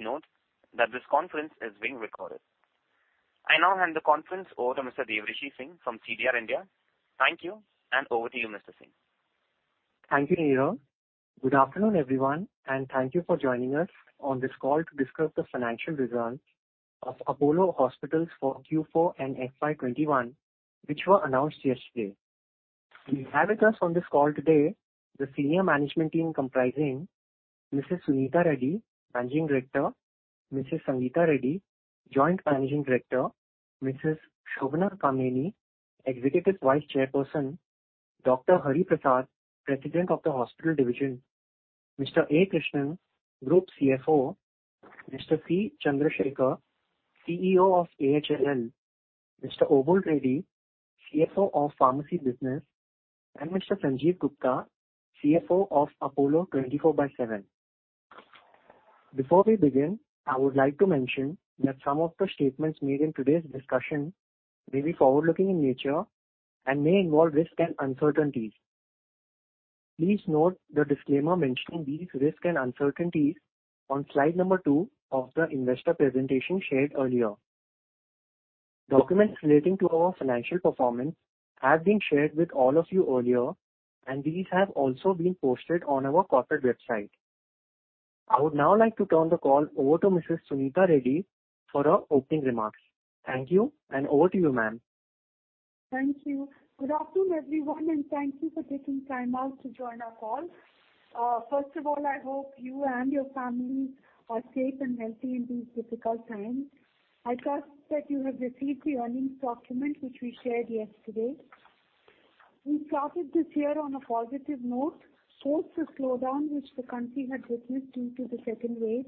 Please note that this conference is being recorded. I now hand the conference over to Mr. Devrishi Singh from CDR India. Thank you, over to you, Mr. Singh. Thank you, Neera. Good afternoon, everyone, and thank you for joining us on this call to discuss the financial results of Apollo Hospitals for Q4 and FY 2021, which were announced yesterday. We have with us on this call today the senior management team comprising Mrs. Suneeta Reddy, Managing Director, Mrs. Sangita Reddy, Joint Managing Director, Mrs. Shobana Kamineni, Executive Vice Chairperson, Dr. K. Hari Prasad, President of the Hospital Division, Mr. A. Krishnan, Group CFO, Mr. C. Chandra Sekhar, CEO of AHLL, Mr. Obul Reddy, CFO of Pharmacy Business, and Mr. Sanjiv Gupta, CFO of Apollo 24/7. Before we begin, I would like to mention that some of the statements made in today's discussion may be forward-looking in nature and may involve risks and uncertainties. Please note the disclaimer mentioning these risks and uncertainties on slide number two of the investor presentation shared earlier. Documents relating to our financial performance have been shared with all of you earlier, and these have also been posted on our corporate website. I would now like to turn the call over to Mrs. Suneeta Reddy for her opening remarks. Thank you, and over to you, ma'am. Thank you. Good afternoon, everyone. Thank you for taking time out to join our call. First of all, I hope you and your family are safe and healthy in these difficult times. I trust that you have received the earnings document, which we shared yesterday. We started this year on a positive note. Post the slowdown which the country had witnessed due to the second wave,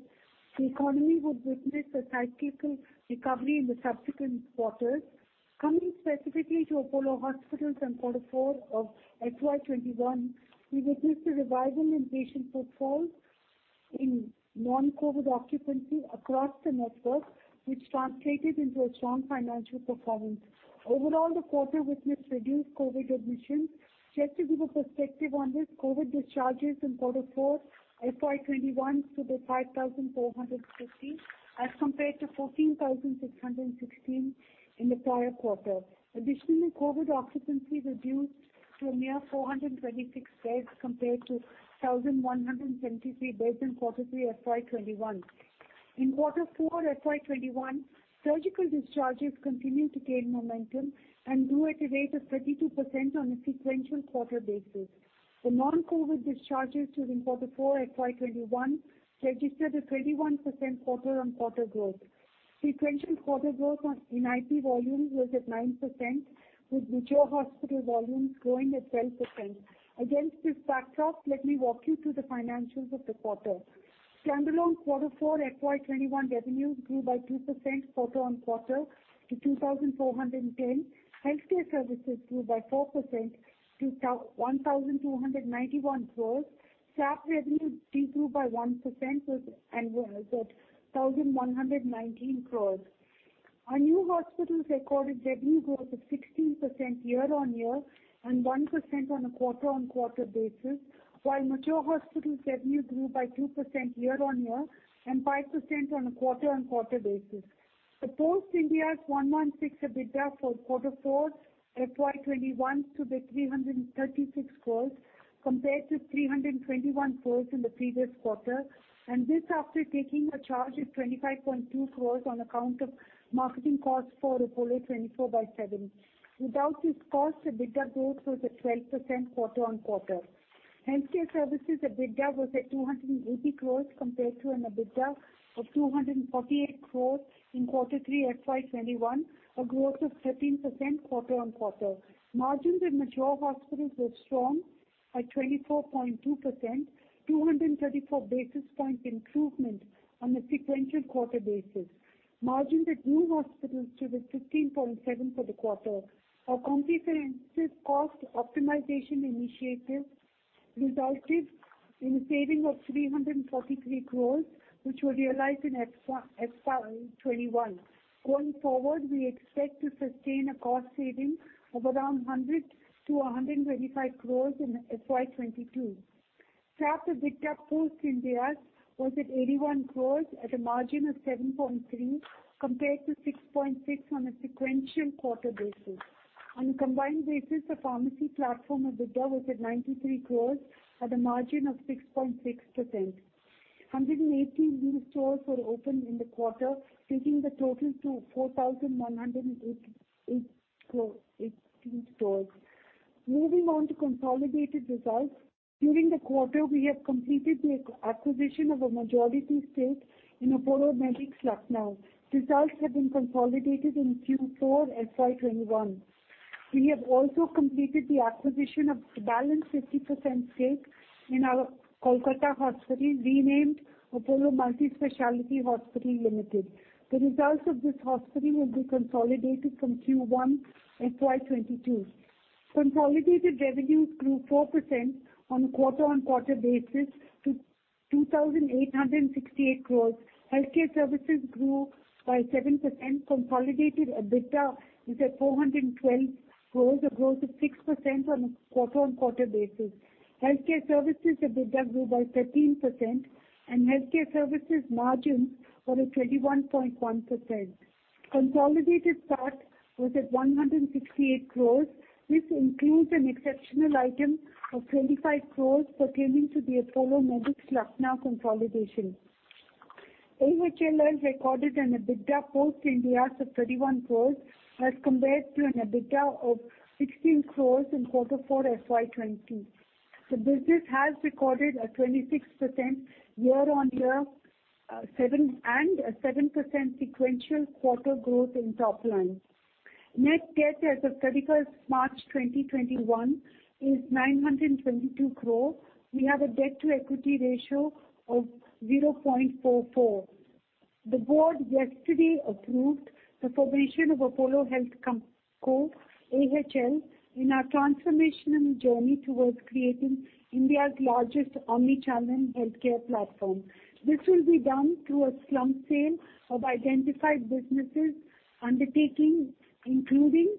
the economy would witness a cyclical recovery in the subsequent quarters. Coming specifically to Apollo Hospitals and Quarter Four of FY 2021, we witnessed a revival in patient footfalls in non-COVID occupancy across the network, which translated into a strong financial performance. Overall, the quarter witnessed reduced COVID admissions. Just to give a perspective on this, COVID discharges in Quarter Four FY 2021 stood at 5,460 as compared to 14,616 in the prior quarter. Additionally, COVID occupancy reduced to a mere 426 beds compared to 1,173 beds in Quarter 3 FY 2021. In Quarter 4 FY 2021, surgical discharges continued to gain momentum and grew at a rate of 32% on a sequential quarter basis. The non-COVID discharges during Quarter 4 FY 2021 registered a 31% quarter-on-quarter growth. Sequential quarter growth in IP volumes was at 9%, with mature hospital volumes growing at 10%. Against this backdrop, let me walk you through the financials of the quarter. Standalone Quarter 4 FY 2021 revenues grew by 2% quarter-on-quarter to 2,410. Healthcare services grew by 4% to 1,291 crores. Pharmacy revenues grew by 1% to 1,119 crores. Our new hospitals recorded revenue growth of 16% year-on-year and 1% on a quarter-on-quarter basis, while mature hospital revenue grew by 2% year-on-year and 5% on a quarter-on-quarter basis. Apollo standalone ex-Ind AS 116 EBITDA for Quarter Four FY 2021 stood at 336 crores compared to 321 crores in the previous quarter, and this after taking a charge of 25.2 crores on account of marketing costs for Apollo 24/7. Without this cost, EBITDA growth was at 12% quarter-on-quarter. Healthcare services EBITDA was at 280 crores compared to an EBITDA of 248 crores in Quarter Three FY 2021, a growth of 13% quarter-on-quarter. Margins in mature hospitals were strong at 24.2%, 234 basis point improvement on a sequential quarter basis. Margins at new hospitals stood at 15.7% for the quarter. Our comprehensive cost optimization initiatives resulted in a saving of 343 crores, which were realized in FY 2021. Going forward, we expect to sustain a cost saving of around 100 crores-125 crores in FY 2022. Staff EBITDA post Ind AS was at 81 crores at a margin of 7.3% compared to 6.6% on a sequential quarter basis. On a combined basis, the pharmacy platform EBITDA was at 93 crores at a margin of 6.6%. 118 new stores were opened in the quarter, taking the total to 4,118 stores. Moving on to consolidated results. During the quarter, we have completed the acquisition of a majority stake in Apollomedics Lucknow. Results have been consolidated in Q4 FY 2021. We have also completed the acquisition of the balance 50% stake in our Kolkata hospital renamed Apollo Multispeciality Hospitals. The results of this hospital will be consolidated from Q1 FY 2022. Consolidated revenue grew 4% on a quarter-on-quarter basis to 2,868 crores. Healthcare services grew by 7%. Consolidated EBITDA was at 412 crores, a growth of 6% on a quarter-on-quarter basis. Healthcare services EBITDA grew by 13%, and healthcare services margins were at 21.1%. Consolidated PAT was at 168 crores. This includes an exceptional item of 25 crores pertaining to the Apollomedics Lucknow consolidation. AHL recorded an EBITDA post Ind AS of 31 crores as compared to an EBITDA of 16 crores in Quarter Four FY 2020. The business has recorded a 26% year-on-year and a 7% sequential quarter growth in top line. Net debt as of 31st March 2021 is 922 crore. We have a debt-to-equity ratio of 0.44. The board yesterday approved the formation of Apollo HealthCo, AHL, in our transformational journey towards creating India's largest omnichannel healthcare platform. This will be done through a slump sale of identified businesses undertaking, including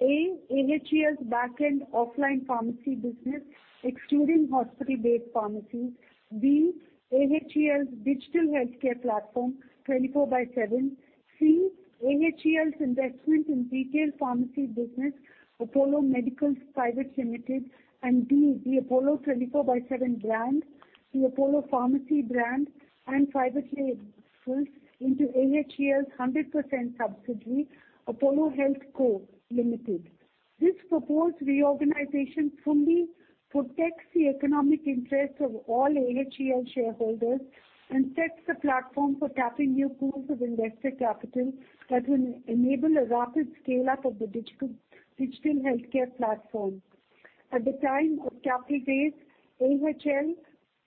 A, AHL's backend offline pharmacy business, excluding hospital-based pharmacy. B, AHL's digital healthcare platform, 24/7. C, AHL's investment in retail pharmacy business, Apollo Medicals Private Limited, and D, the Apollo 24/7 brand, the Apollo Pharmacy brand, and private labels into AHL's 100% subsidiary, Apollo HealthCo Limited. This proposed reorganization fully protects the economic interests of all AHL shareholders and sets the platform for tapping new pools of investor capital that will enable a rapid scale-up of the digital healthcare platform. At the time of capping date, AHL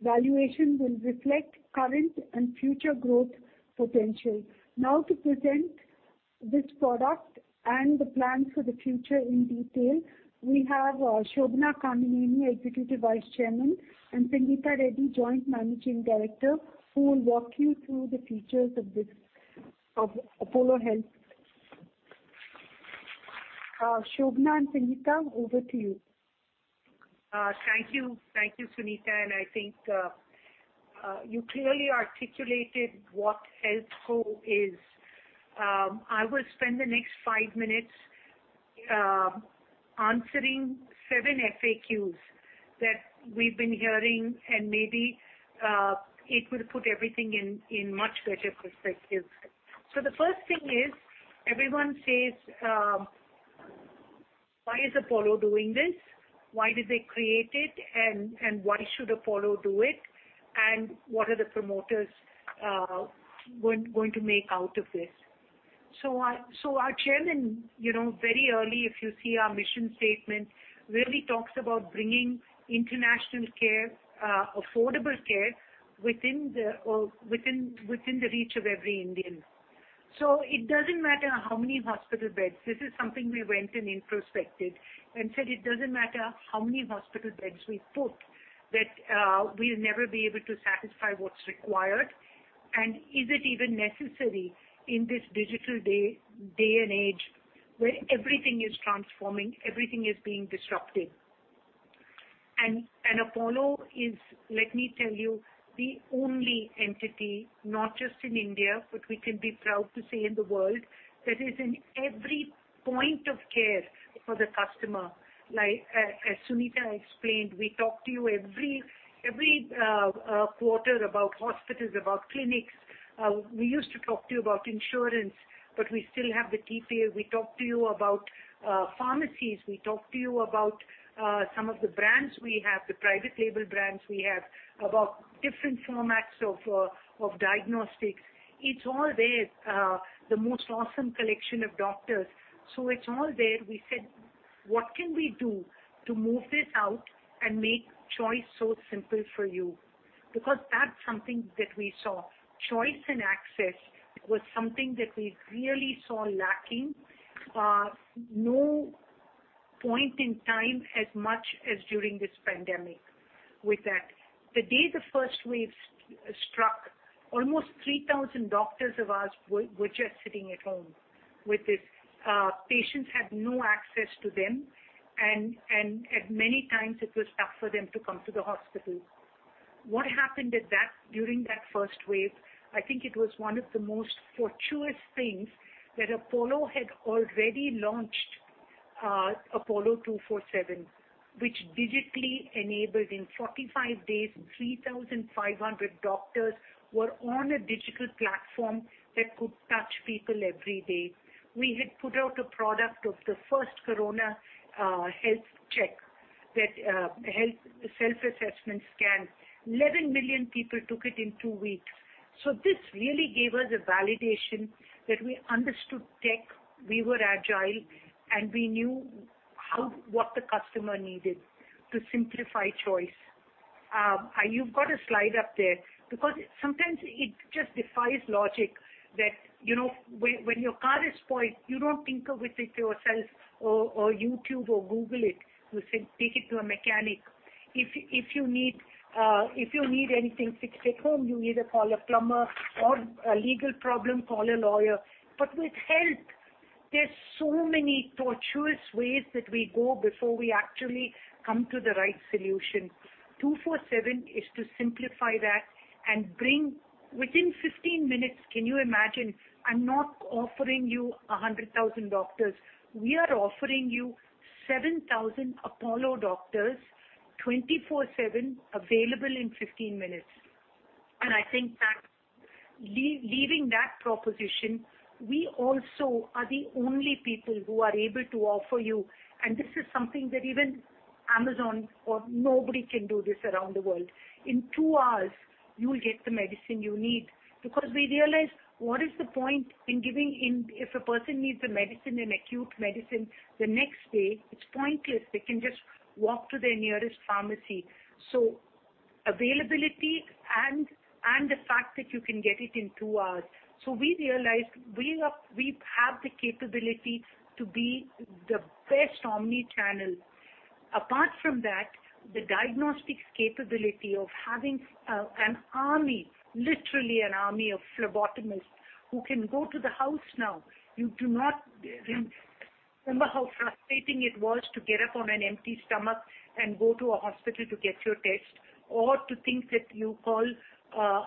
valuation will reflect current and future growth potential. Now to present this product and the plan for the future in detail, we have Shobana Kamineni, Executive Vice Chairman, and Sangita Reddy, Joint Managing Director, who will walk you through the features of Apollo Health. Shobana and Sangita, over to you. Thank you, Suneeta. I think you clearly articulated what HealthCo is. I will spend the next five minutes answering seven FAQs that we've been hearing. Maybe it will put everything in much better perspective. The first thing is everyone says, why is Apollo doing this? Why did they create it, why should Apollo do it? What are the promoters going to make out of this? Our chairman very early, if you see our mission statement, really talks about bringing international care, affordable care, within the reach of every Indian. It doesn't matter how many hospital beds. This is something we went and introspected and said it doesn't matter how many hospital beds we put, that we'll never be able to satisfy what's required. Is it even necessary in this digital day and age where everything is transforming, everything is being disrupted. Apollo is, let me tell you, the only entity, not just in India, but we can be proud to say in the world, that is in every point of care for the customer. As Suneeta explained, we talk to you every quarter about hospitals, about clinics. We used to talk to you about insurance, but we still have the details. We talk to you about pharmacies. We talk to you about some of the brands we have, the private label brands we have, about different formats of diagnostics. It's all there, the most awesome collection of doctors. It's all there. We said, what can we do to move it out and make choice so simple for you? That's something that we saw. Choice and access was something that we really saw lacking, no point in time as much as during this pandemic with that. The day the first wave struck, almost 3,000 doctors of ours were just sitting at home with this. Patients had no access to them, at many times it was tough for them to come to the hospital. What happened during that first wave, I think it was one of the most fortuitous things that Apollo had already launched Apollo 24/7, which digitally enabled in 45 days, 3,500 doctors were on a digital platform that could touch people every day. We had put out a product of the first Corona Health Check, that health self-assessment scan. 11 million people took it in two weeks. This really gave us a validation that we understood tech, we were agile, and we knew what the customer needed to simplify choice. You've got a slide up there. Sometimes it just defies logic that when your car is spoiled, you don't tinker with it yourself or YouTube or Google it. You say, take it to a mechanic. If you need anything fixed at home, you either call a plumber, or a legal problem, call a lawyer. With health so many torturous ways that we go before we actually come to the right solution. Apollo 24/7 is to simplify that and bring within 15 minutes. Can you imagine? I'm not offering you 100,000 doctors. We are offering you 7,000 Apollo doctors, 24/7, available in 15 minutes. I think leading that proposition, we also are the only people who are able to offer you, and this is something that even Amazon or nobody can do this around the world. In 2 hours, you will get the medicine you need. We realized, what is the point in giving, if a person needs a medicine, an acute medicine, the next day, it's pointless. They can just walk to their nearest pharmacy. Availability and the fact that you can get it in two hours, we realized we have the capability to be the best omni-channel. Apart from that, the diagnostics capability of having an army, literally an army of phlebotomists who can go to the house now. Remember how frustrating it was to get up on an empty stomach and go to a hospital to get your test, or to things that you call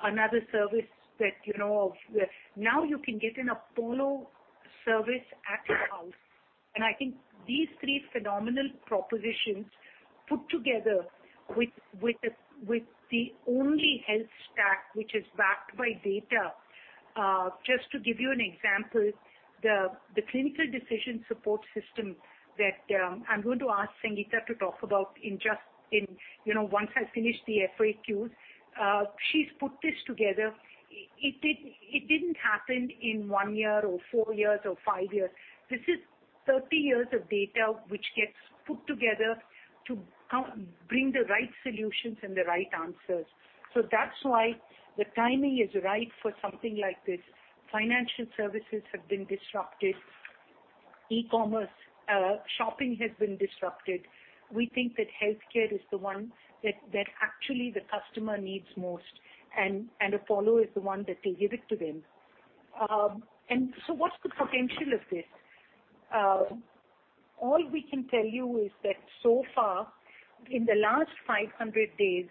another service that you know of. Now you can get an Apollo service at your house. I think these three phenomenal propositions put together with the only health stack, which is backed by data. Just to give you an example, the clinical decision support system that I'm going to ask Sangita to talk about once I finish the FAQs. She's put this together. It didn't happen in one year or four years or five years. This is 30 years of data which gets put together to bring the right solutions and the right answers. That's why the timing is right for something like this. Financial services have been disrupted. E-commerce, shopping has been disrupted. We think that healthcare is the one that actually the customer needs most, and Apollo is the one that can give it to them. What's the potential of this? All we can tell you is that so far, in the last 500 days,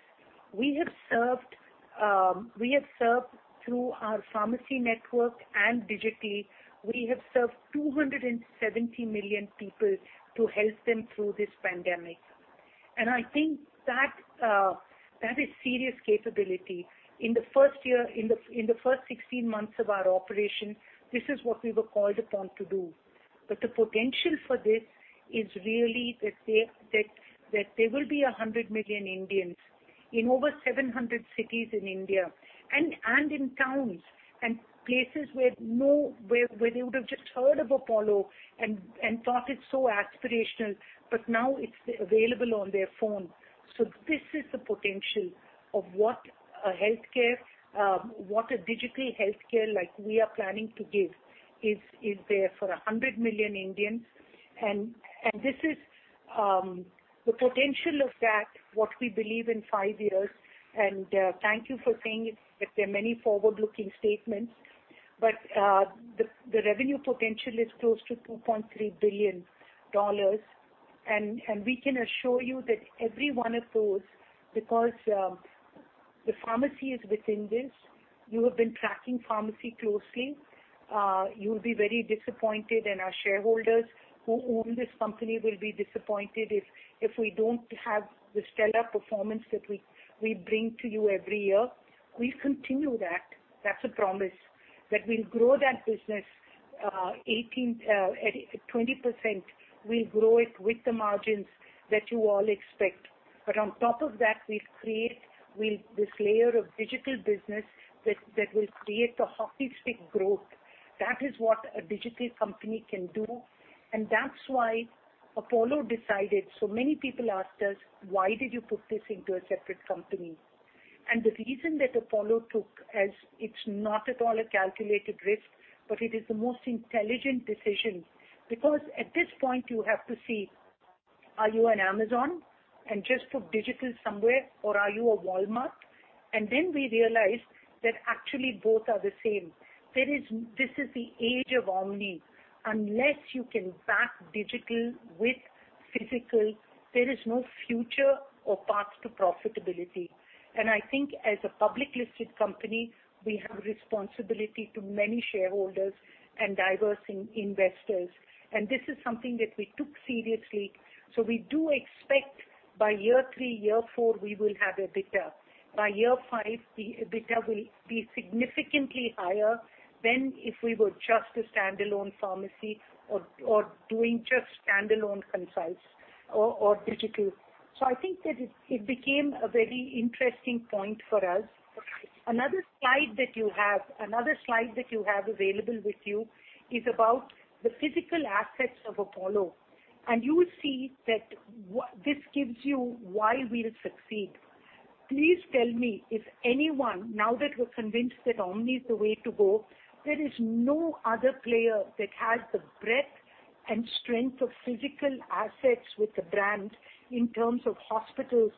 through our pharmacy network and digitally, we have served 270 million people to help them through this pandemic. I think that is serious capability. In the first 16 months of our operation, this is what we were called upon to do. The potential for this is really that there will be 100 million Indians in over 700 cities in India, and in towns, and places where they would have just heard of Apollo and thought it's so aspirational, but now it's available on their phone. This is the potential of what a digital healthcare like we are planning to give is there for 100 million Indians. This is the potential of that, what we believe in five years. Thank you for saying it, that there are many forward-looking statements. The revenue potential is close to $2.3 billion. We can assure you that every one of those, because the pharmacy is within this. You have been tracking pharmacy closely. You'll be very disappointed, and our shareholders who own this company will be disappointed if we don't have the stellar performance that we bring to you every year. We continue that. That's a promise, that we'll grow that business 18, 20%. We'll grow it with the margins that you all expect. On top of that, we've created this layer of digital business that will create a hockey stick growth. That is what a digital company can do. That's why so many people asked us, why did you put this into a separate company? The reason that Apollo took as it's not at all a calculated risk, but it is the most intelligent decision because at this point you have to see, are you an Amazon and just put digital somewhere or are you a Walmart? We realized that actually both are the same. This is the age of omni. Unless you can back digital with physical, there is no future or path to profitability. I think as a public listed company, we have a responsibility to many shareholders and diverse investors. This is something that we took seriously. We do expect by year three, year four, we will have EBITDA. By year five, the EBITDA will be significantly higher than if we were just a standalone pharmacy or doing just standalone consults or digital. I think that it became a very interesting point for us. Another slide that you have available with you is about the physical assets of Apollo. You will see that this gives you why we'll succeed. Please tell me if anyone, now that you're convinced that omni is the way to go, there is no other player that has the breadth and strength of physical assets with the brand in terms of hospitals,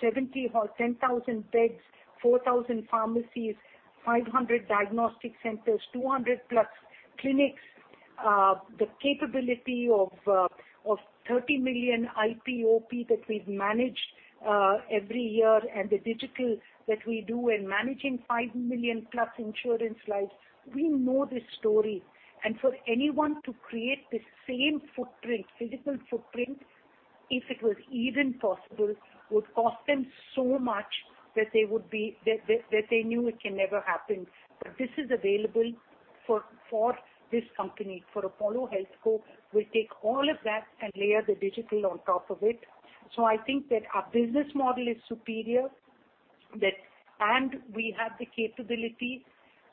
70 with 10,000 beds, 4,000 pharmacies, 500 diagnostic centers, 200 plus clinics. The capability of 30 million IP OP that we've managed every year and the digital that we do in managing 5 million+ insurance lives. We know this story. For anyone to create the same physical footprint, if it was even possible, would cost them so much that they knew it can never happen. This is available for this company. For Apollo HealthCo, we take all of that and layer the digital on top of it. I think that our business model is superior, and we have the capability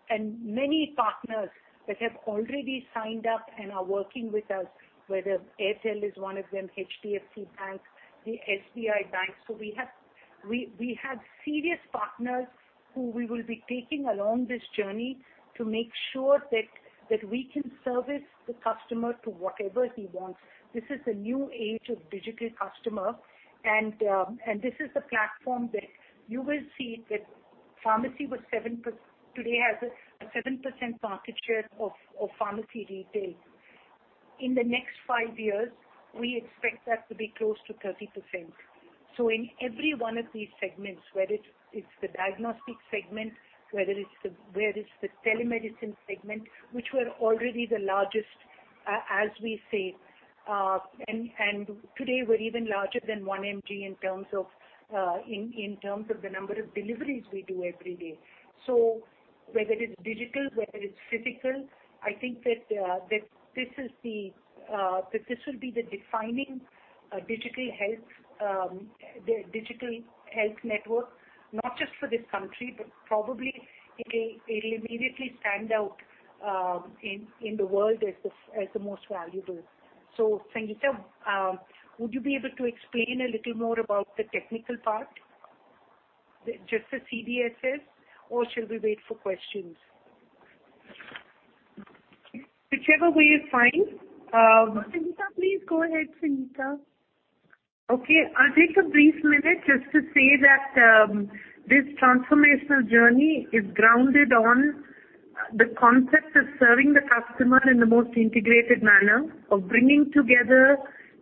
and many partners that have already signed up and are working with us, whether SBI Life is one of them, HDFC Bank, SBI Bank. We have serious partners who we will be taking along this journey to make sure that we can service the customer to whatever he wants. This is a new age of digital customer, and this is the platform that you will see that today has a 7% market share of pharmacy retail. In the next five years, we expect that to be close to 30%. In every one of these segments, whether it's the diagnostic segment, whether it's the telemedicine segment, which were already the largest, as we say. Today, we're even larger than 1mg in terms of the number of deliveries we do every day. Whether it's digital, whether it's physical, I think that this will be the defining digital health network, not just for this country, but probably it'll immediately stand out in the world as the most valuable. Sangita, would you be able to explain a little more about the technical part, just the CDSS, or should we wait for questions? Whichever way is fine. Sangita Reddy, please go ahead, Sangita Reddy. Okay. I'll take a brief minute just to say that this transformational journey is grounded on the concept of serving the customer in the most integrated manner of bringing together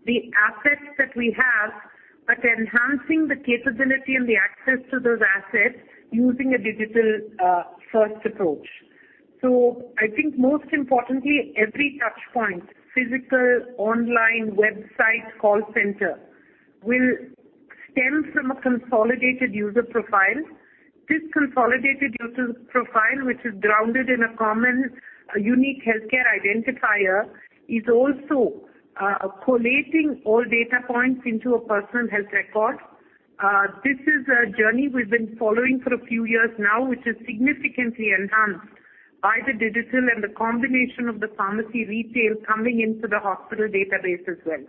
the assets that we have, but enhancing the capability and the access to those assets using a digital-first approach. I think most importantly, every touchpoint, physical, online, website, call center, will stem from a consolidated user profile. This consolidated user profile, which is grounded in a common unique healthcare identifier, is also collating all data points into a personal health record. This is a journey we've been following for a few years now, which is significantly enhanced by the digital and the combination of the pharmacy retail coming into the hospital database as well.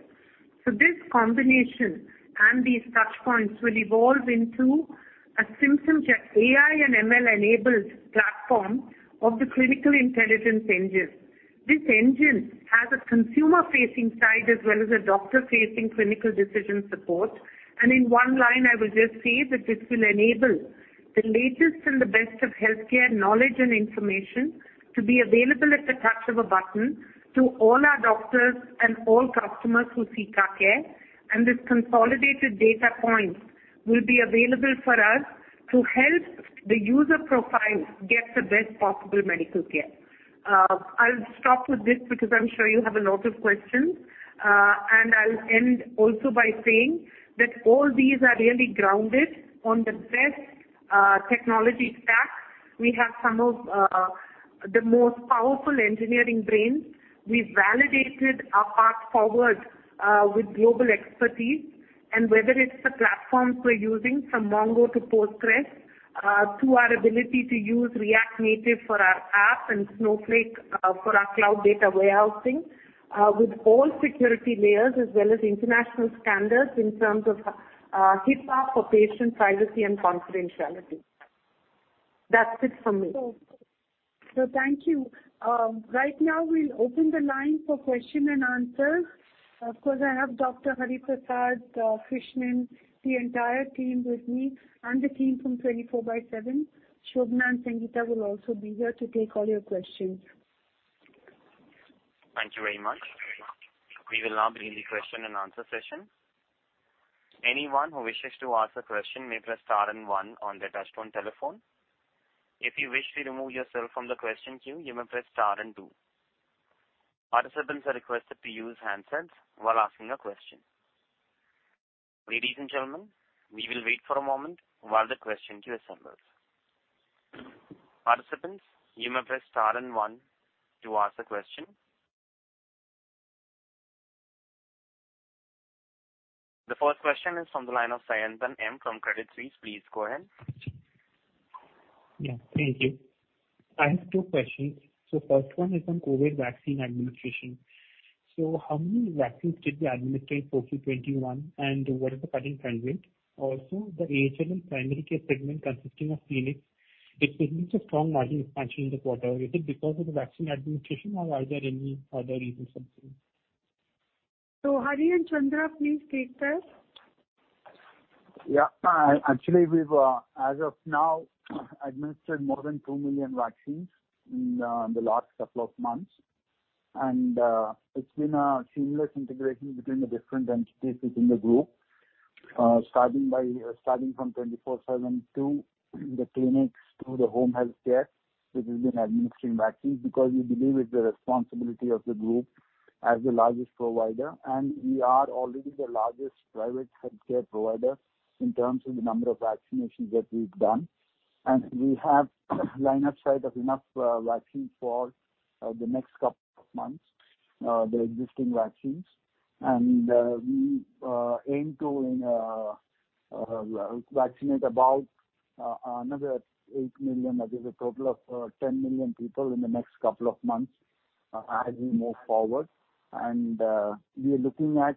This combination and these touchpoints will evolve into a simple AI and ML-enabled platform of the critical intelligence engine. This engine has a consumer-facing side as well as a doctor-facing clinical decision support. In one line, I would just say that it will enable the latest and the best of healthcare knowledge and information to be available at the touch of a button to all our doctors and all customers who seek our care. This consolidated data point will be available for us to help the user profile get the best possible medical care. I'll stop with this because I'm sure you have a lot of questions. I'll end also by saying that all these are really grounded on the best technology stacks. We have some of the most powerful engineering brains. We validated our path forward with global expertise. Whether it's the platforms we're using from MongoDB to Postgres, to our ability to use React Native for our app and Snowflake for our cloud data warehousing, with all security layers as well as international standards in terms of HIPAA for patient privacy and confidentiality. That's it from me. Thank you. Right now, we will open the line for question and answers. Of course, I have Dr. Hari Prasad, Krishnan, the entire team with me, and the team from Apollo 24/7. Shobana and Sangita will also be here to take all your questions. Thank you very much. We will now begin the question and answer session. Anyone who wishes to ask a question may press star and one on their touch-tone telephone. If you wish to remove yourself from the question queue, you may press star and two. Participants are requested to use handsets while asking a question. Ladies and gentlemen, we will wait for a moment while the question queue assembles. Participants, you may press star and one to ask a question. The first question is from the line of Sayantan M from Credit Suisse. Please go ahead. Yeah, thank you. I have two questions. First one is on COVID vaccine administration. How many vaccines did we administer in FY 2021, and what is the current trend rate? Also, the AHLL primary care segment consisting of Clinics, it seems to have strong margin expansion in the quarter. Is it because of the vaccine administration or are there any other reasons also? Hari and Chandra, please take that. Yeah. Actually, as of now, we've administered more than 2 million vaccines in the last couple of months, and it's been a seamless integration between the different entities within the group. Starting from Apollo 24/7 to the clinics to the home healthcare, which has been administering vaccines because we believe it's the responsibility of the group as the largest provider, and we are already the largest private healthcare provider in terms of the number of vaccinations that we've done. We have a line of sight of enough vaccines for the next couple of months, the existing vaccines. We aim to vaccinate about another 8 million, that is a total of 10 million people in the next couple of months as we move forward. We are looking at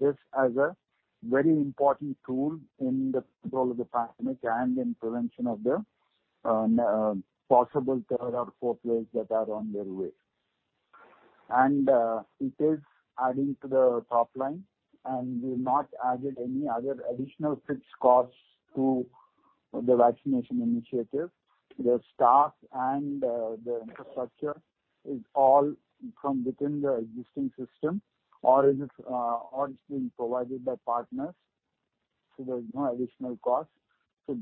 this as a very important tool in the control of the pandemic and in prevention of the possible third or fourth waves that are on their way. It is adding to the top line, and we have not added any other additional fixed costs to the vaccination initiative. The staff and the infrastructure is all from within the existing system or it is being provided by partners, so there's no additional cost.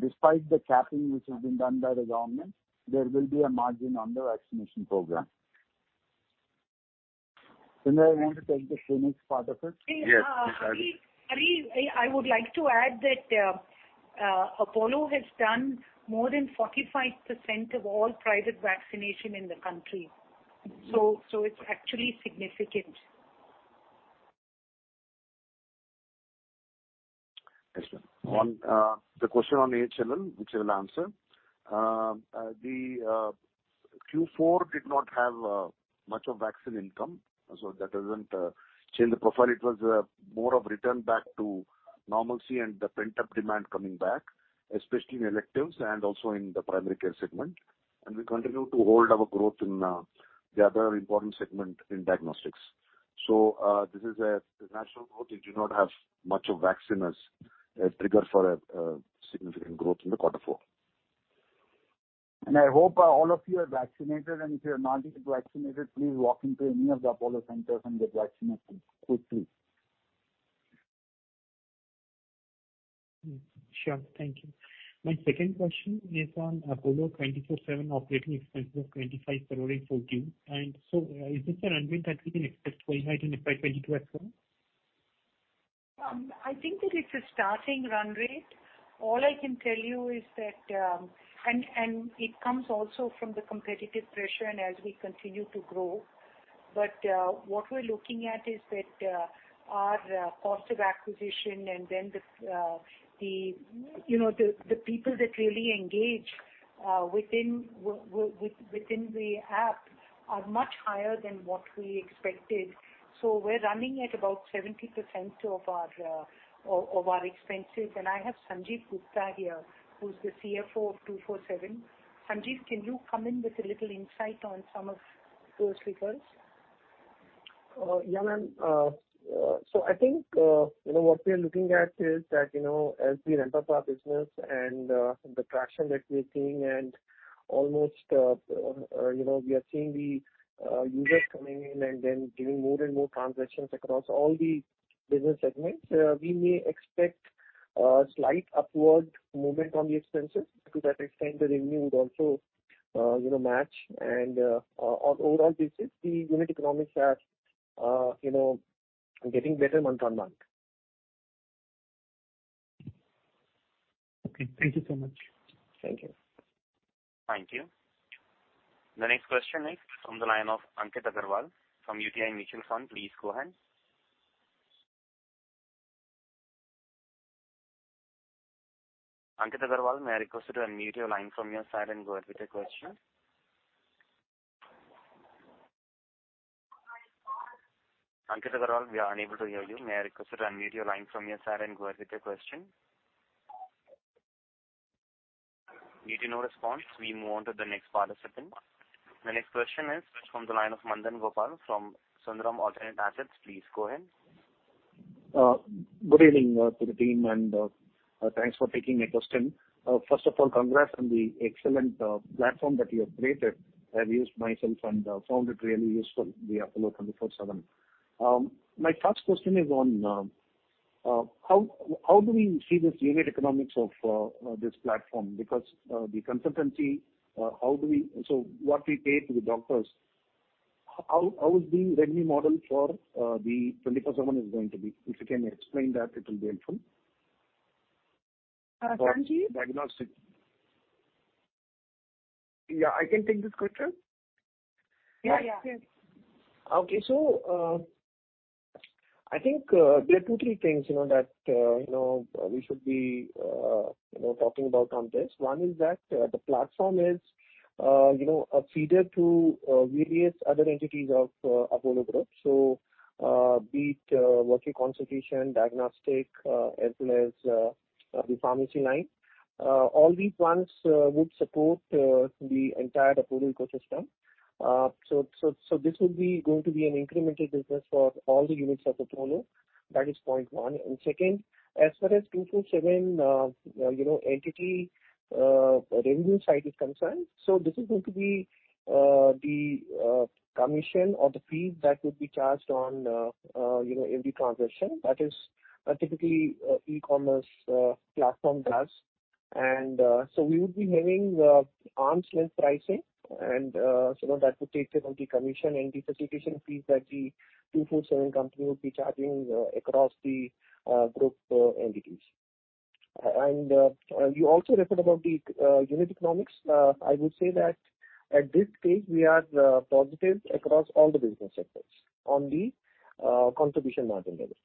Despite the capping which has been done by the government, there will be a margin on the vaccination program. Chandu, you want to take the Phoenix part of it? Yes, please. Sri, I would like to add that Apollo has done more than 45% of all private vaccination in the country. It's actually significant. Yes, ma'am. On the question on AHL, which I'll answer. Q4 did not have much of vaccine income. That doesn't change the profile. It was more of a return back to normalcy and the pent-up demand coming back, especially in electives and also in the primary care segment. We continue to hold our growth in the other important segment in diagnostics. This is a natural growth, we do not have much of vaccine as a trigger for a significant growth in the quarter four. I hope all of you are vaccinated, and if you're not yet vaccinated, please walk into any of the Apollo centers and get vaccinated. Sure. Thank you. My second question is on Apollo 24/7 operating expenses of 25 crore in Q4. Is this a run rate that we can expect going ahead into FY 2022 as well? I think that it's a starting run rate. All I can tell you is that it comes also from the competitive pressure and as we continue to grow. What we're looking at is that our cost of acquisition and then the people that really engage within the app are much higher than what we expected. We're running at about 70% of our expenses, and I have Sanjiv Gupta here, who's the CFO of Apollo 24/7. Sanjiv, can you come in with a little insight on some of those figures? Yeah, ma'am. I think what we are looking at here is that as we ramp up our business and the traction that we're seeing and almost we are seeing the users coming in and then doing more and more transactions across all the business segments, we may expect a slight upward movement on the expenses. To that extent, the revenue would also match, overall the unit economics are getting better month-on-month. Okay. Thank you so much. Thank you. Thank you. The next question is from the line of Ankit Agarwal from UTI Mutual Fund. Please go ahead. Ankit Agarwal, may I request you to unmute your line from your side and go ahead with your question. Ankit Agarwal, we are unable to hear you. May I request you to unmute your line from your side and go ahead with your question. Getting no response, we move on to the next participant. The next question is from the line of Madanagopal Ramu from Sundaram Alternate Assets. Please go ahead. Good evening to the team, and thanks for taking my question. First of all, congrats on the excellent platform that you have created. I've used it myself and found it really useful, the Apollo 24/7. My first question is on how do we see this unit economics of this platform? The consultancy, what we pay to the doctors, how is the revenue model for the 24/7 is going to be? If you can explain that, it'll be helpful. Sanjiv Diagnostic. Yeah, I can take this question. Yeah, please. Okay. I think there are two key things that we should be talking about on this. One is that the platform is a feeder to various other entities of Apollo groups. Be it virtual consultation, diagnostic, as well as the pharmacy line. All these ones would support the entire Apollo ecosystem. This will be going to be an incremental business for all the units of Apollo. That is point one. Second, as far as Apollo 24/7 entity revenue side is concerned, this is going to be the commission or the fees that will be charged on every transaction. That is typically what an e-commerce platform does. We will be having arm's length pricing, that would take care of the commission and the facilitation fees that the Apollo 24/7 company will be charging across the group entities. You also referred about the unit economics. I would say that at this stage, we are positive across all the business sectors on the contribution margin level.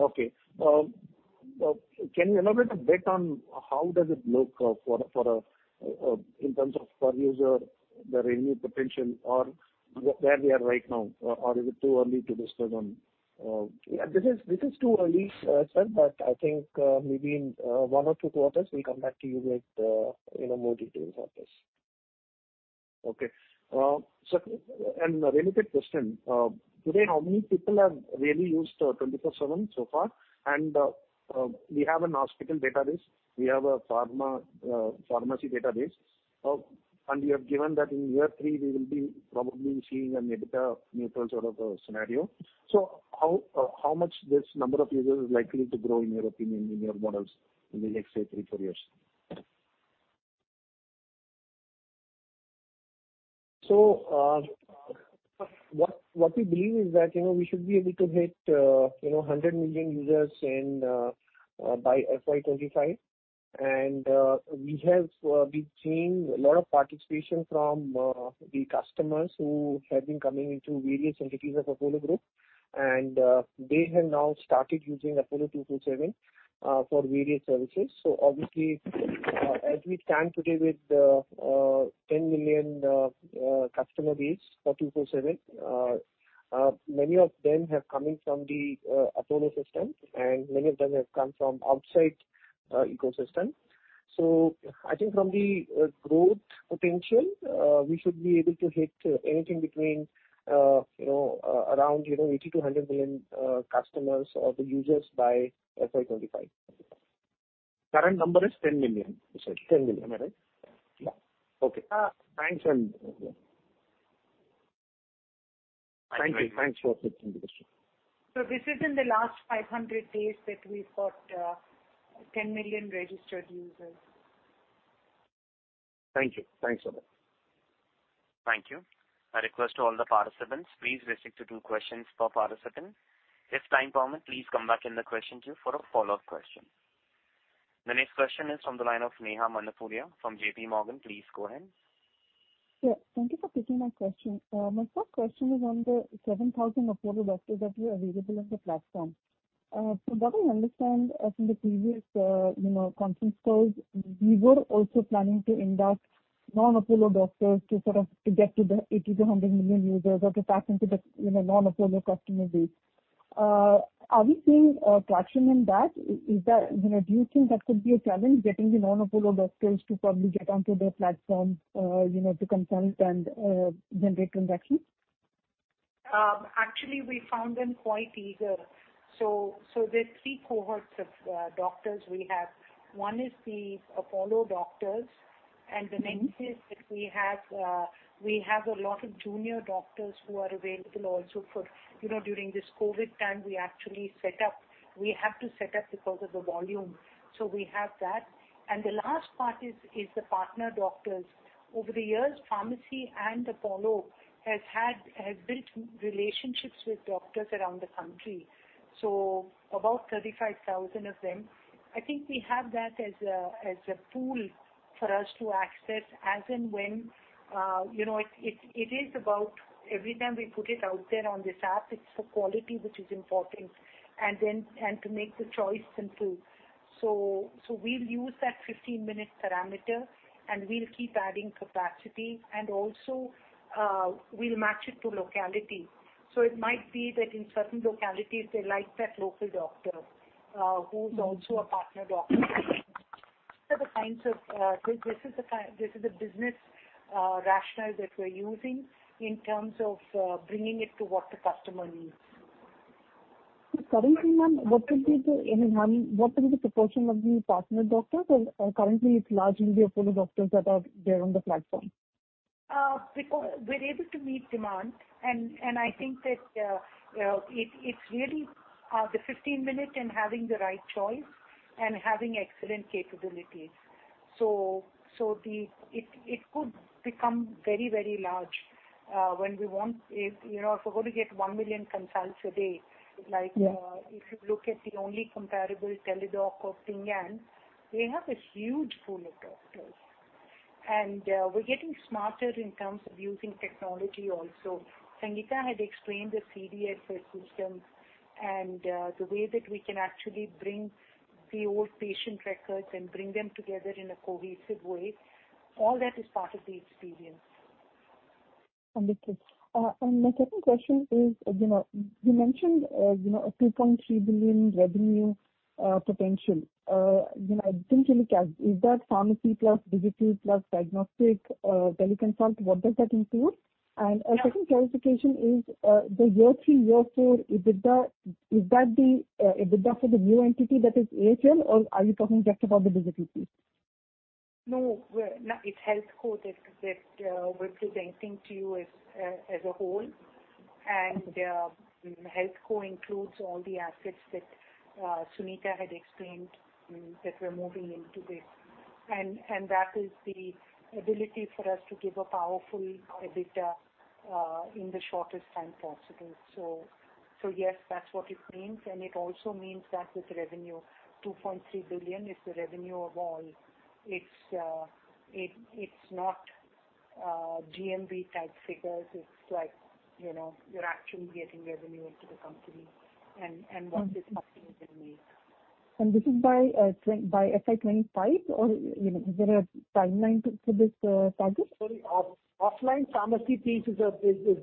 Okay. Can you elaborate a bit on how does it look in terms of per user, the revenue potential, or where we are right now? Is it too early to discern? Yeah, this is too early, sir, but I think maybe in one or two quarters, we'll come back to you with more details on this. Okay. A related question. Today, how many people have really used Apollo 24/7 so far? We have an hospital database, we have a pharmacy database, and we have given that in year three, we will be probably seeing a negative net result of the scenario. How much this number of users is likely to grow, in your opinion, in your models in the next say three, four years? What we believe is that we should be able to hit 100 million users by FY 2025. We've seen a lot of participation from the customers who have been coming into various entities of Apollo Group, and they have now started using Apollo 24/7 for various services. Obviously, as we stand today with 10 million customer base for 24/7, many of them are coming from the Apollo system, and many of them have come from outside ecosystem. I think from the growth potential, we should be able to hit anything between around 80 million-100 million customers or the users by FY 2025. Current number is 10 million, you said. 10 million, right? Yeah. Okay. Thanks. Yeah. Thanks for taking the question. This is in the last 500 days that we've got 10 million registered users. Thank you. Thanks a lot. Thank you. I request all the participants, please restrict to two questions per participant. If time permits, please come back in the question queue for a follow-up question. The next question is from the line of Neha Manpuria from JPMorgan. Please go ahead. Yeah, thank you for taking my question. My first question is on the 7,000 Apollo doctors that are available on the platform. From what I understand from the previous conference calls, we were also planning to induct non-Apollo doctors to sort of get to the 80 million-100 million users or to tap into the non-Apollo customer base. Are we seeing traction in that? Do you think that could be a challenge getting the non-Apollo doctors to probably get onto the platform to consult and generate revenue? Actually, we found them quite eager. There are three cohorts of doctors we have. One is the Apollo doctors, and the next is that we have a lot of junior doctors who are available also. During this COVID time, we have to set up because of the volume. We have that. The last part is the partner doctors. Over the years, pharmacy and Apollo has built relationships with doctors around the country, about 35,000 of them. I think we have that as a tool for us to access as and when. It is about every time we put it out there on this app, it's the quality which is important and to make the choice simple. We'll use that 15-minute parameter, and we'll keep adding capacity, and also, we'll match it to locality. It might be that in certain localities, they like that local doctor who's also a partner doctor. This is the business rationale that we're using in terms of bringing it to what the customer needs. Currently, ma'am, what could be the proportion of the partner doctors? Or currently, it's largely Apollo doctors that are there on the platform. We're able to meet demand. I think that it's really the 15 minutes and having the right choice and having excellent capabilities. It could become very large. If we're going to get 1 million consults a day, if you look at the only comparable Teladoc or Ping An, they have a huge pool of doctors. We're getting smarter in terms of using technology also. Sangita had explained the CDSS, her systems, and the way that we can actually bring the old patient records and bring them together in a cohesive way. All that is part of the experience. Understood. My second question is, you mentioned a $2.3 billion revenue potential. I didn't really catch, is that pharmacy plus digital plus diagnostic teleconsult? What does that include? A second clarification is, the year three, year four EBITDA, is that the EBITDA for the new entity that is HealthCo, or are you talking just about the digital piece? No. It's HealthCo that we're presenting to you as a whole. HealthCo includes all the assets that Suneeta had explained that we're moving into this. That is the ability for us to give a powerful EBITDA in the shortest time possible. Yes, that's what it means. It also means that this revenue, $2.3 billion, is the revenue of all. It's not GMV type figures. It's like you're actually getting revenue into the company and what this company can make. This is by FY 2025, or is there a timeline for this target? Sorry. Offline pharmacy piece is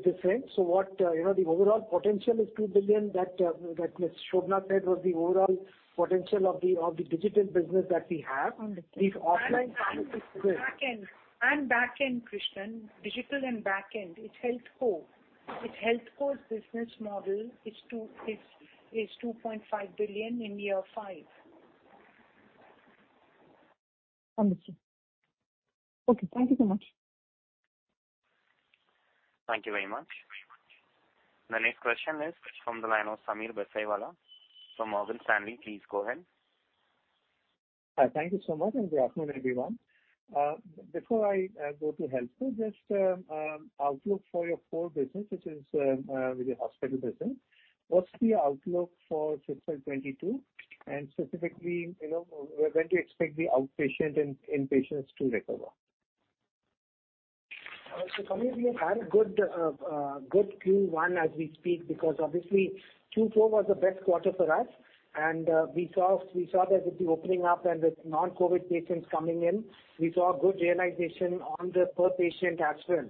different. The overall potential is $2 billion. That Shobana said was the overall potential of the digital business that we have. Back end, Krishnan. Digital and back end. It's HealthCo. It's HealthCo's business model. It's $2.5 billion in year five. Understood. Okay. Thank you so much. Thank you very much. The next question is from the line of Sameer Baisiwala from Morgan Stanley. Please go ahead. Thank you so much. Good afternoon, everyone. Before I go to HealthCo, just outlook for your core business, which is the hospital business. What's the outlook for FY 2022, and specifically, when to expect the outpatient and inpatients to recover? Sameer, we've had a good Q1 as we speak because obviously Q4 was the best quarter for us. We saw that with the opening up and with non-COVID patients coming in, we saw good realization on the per patient as well.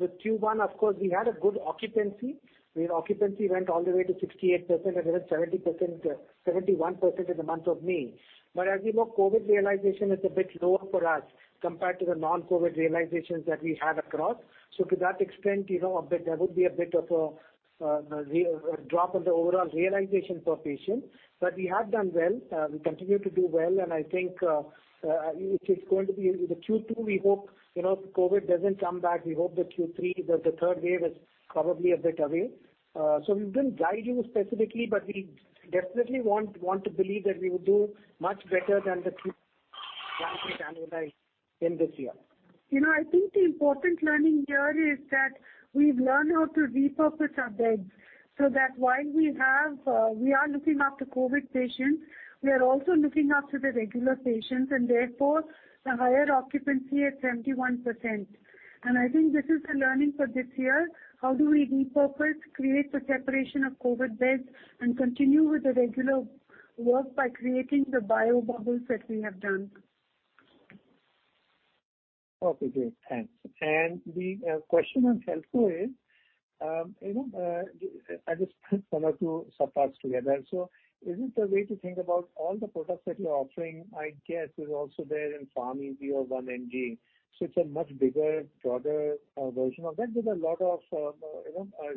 With Q1, of course, we had a good occupancy. The occupancy went all the way to 68%, and then 71% in the month of May. As you know, COVID realization is a bit lower for us compared to the non-COVID realizations that we had across. Because that explained a bit, there would be a bit of a drop of the overall realization per patient. We have done well. We continue to do well, and I think with Q2, we hope COVID doesn't come back. We hope that Q3, the third wave is probably a bit away. We didn't guide you specifically, but we definitely want to believe that we will do much better than the in this year. I think the important learning here is that we've learned how to repurpose our beds, so that while we are looking after COVID patients, we are also looking after the regular patients, and therefore a higher occupancy at 71%. I think this is the learning for this year. How do we repurpose, create the separation of COVID beds, and continue with the regular work by creating the bio bubbles that we have done? Okay, great. Thanks. The question on HealthCo is, I'll just put some of your sub-parts together. Is it the way to think about all the products that you're offering, I guess, is also there in PharmEasy or 1mg? It's a much bigger, broader version of that with a lot of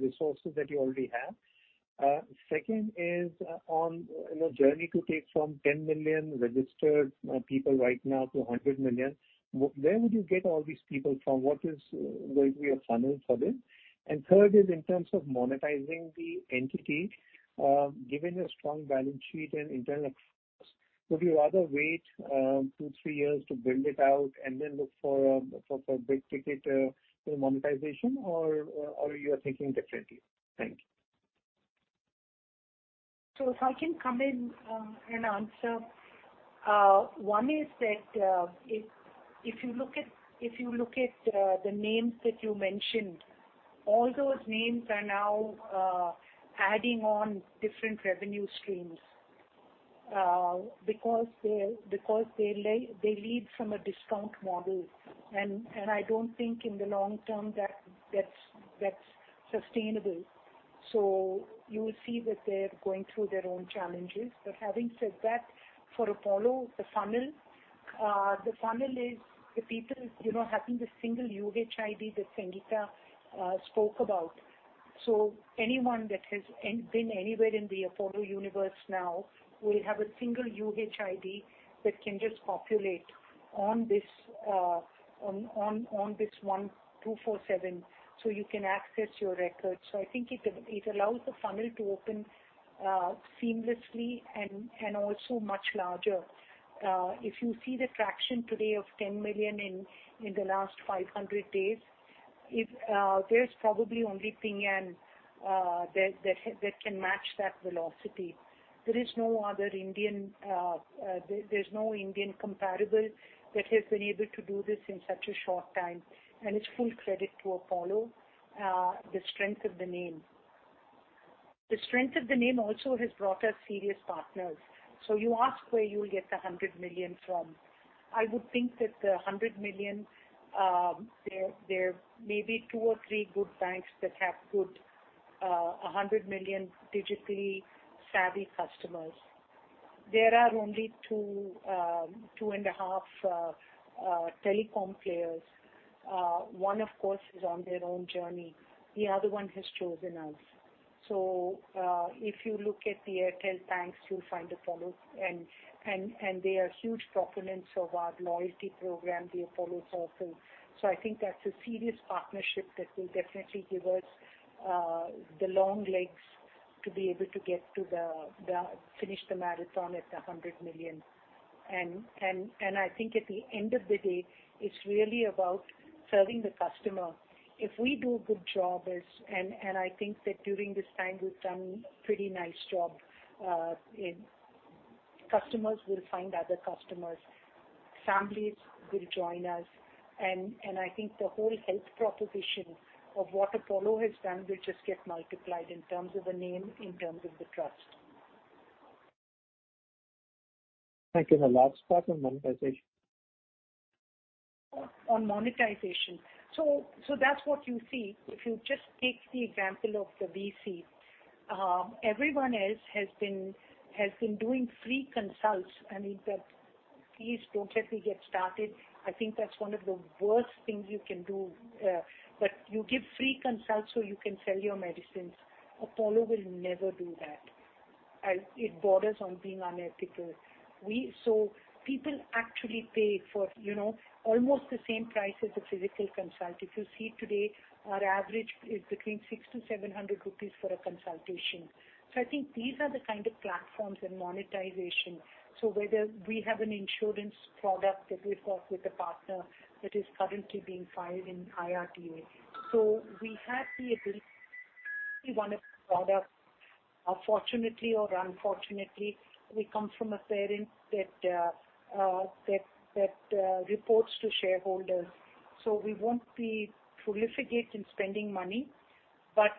resources that you already have. Second is on your journey to take from 10 million registered people right now to 100 million. Where would you get all these people from? What is going to be a funnel for this? Third is in terms of monetizing the entity, given your strong balance sheet and internal . Would you rather wait two, three years to build it out and then look for a big ticket monetization or you're thinking differently? Thank you. If I can come in and answer. One is that if you look at the names that you mentioned, all those names are now adding on different revenue streams because they lead from a discount model. I don't think in the long term that's sustainable. You will see that they're going through their own challenges. Having said that, for Apollo, the funnel is the people having the single UHID that Sangita Reddy spoke about. Anyone that has been anywhere in the Apollo universe now will have a single UHID that can just populate on this one Apollo 24/7. You can access your records. I think it allows the funnel to open seamlessly and also much larger. If you see the traction today of 10 million in the last 500 days, there's probably only Ping An that can match that velocity. There's no Indian comparable that has been able to do this in such a short time. It's full credit to Apollo, the strength of the name. The strength of the name also has brought us serious partners. You ask where you'll get 100 million from. I would think that the 100 million, there may be two or three good banks that have good 100 million digitally savvy customers. There are only two and a half telecom players. One, of course, is on their own journey. The other one has chosen us. If you look at the Airtel banks, you'll find Apollo. They are huge proponents of our loyalty program, the Apollo Circle. I think that's a serious partnership that will definitely give us the long legs to be able to finish the marathon at 100 million. I think at the end of the day, it's really about serving the customer. If we do a good job, and I think that during this time we've done a pretty nice job, customers will find other customers, families will join us. I think the whole health proposition of what Apollo has done will just get multiplied in terms of the name, in terms of the trust. Okay. The last part on monetization. On monetization. That's what you see. If you just take the example of the VC, everyone else has been doing free consults. In fact, please don't ever get started. I think that's one of the worst things you can do. That you give free consults so you can sell your medicines. Apollo will never do that. It borders on being unethical. People actually pay for almost the same price as a physical consult. If you see today, our average is between 600-700 rupees for a consultation. I think these are the kind of platforms and monetization. Whether we have an insurance product that we offer with a partner that is currently being filed in IRDAI. We have the agreed wanted product. Fortunately or unfortunately, we come from a parent that reports to shareholders. We won't be profligate in spending money, but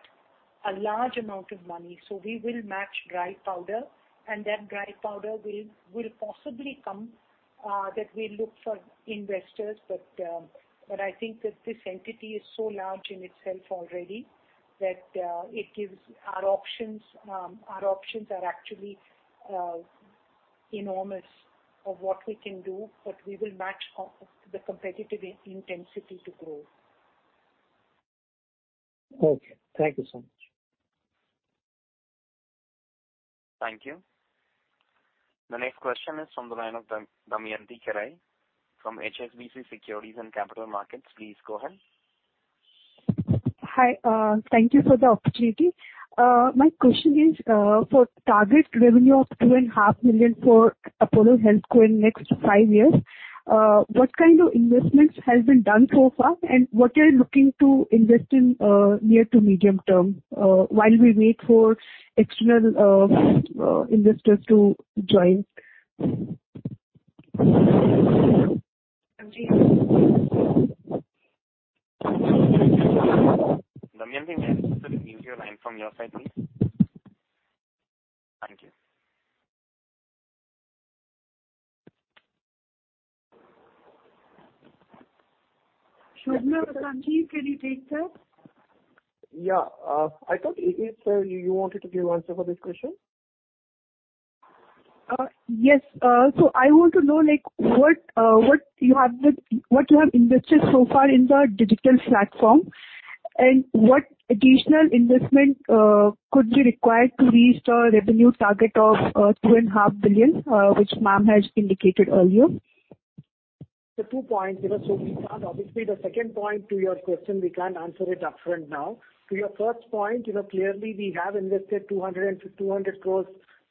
a large amount of money. We will match dry powder, and that dry powder will possibly come that we look for investors. I think that this entity is so large in itself already that our options are actually enormous of what we can do. We will match the competitive intensity to grow. Okay. Thank you so much. Thank you. The next question is from the line of Damayanti Kerai from HSBC Securities and Capital Markets. Please go ahead. Hi. Thank you for the opportunity. My question is, for target revenue of $2.5 billion for Apollo HealthCo in next five years, what kind of investments has been done so far and what you're looking to invest in near to medium term while we wait for external investors to join? Damayanti, can I just put in your line from your side, please? Thank you. Shobana or Ranjit, can you take, sir? Yeah. I thought, AK, sir, you wanted to answer this question? Yes. I want to know what you have invested so far in the digital platform and what additional investment could be required to reach the revenue target of $2.5 billion, which ma'am has indicated earlier. There are two points. Obviously, the second point to your question, we can't answer it upfront now. To your first point, clearly we have invested 200 crores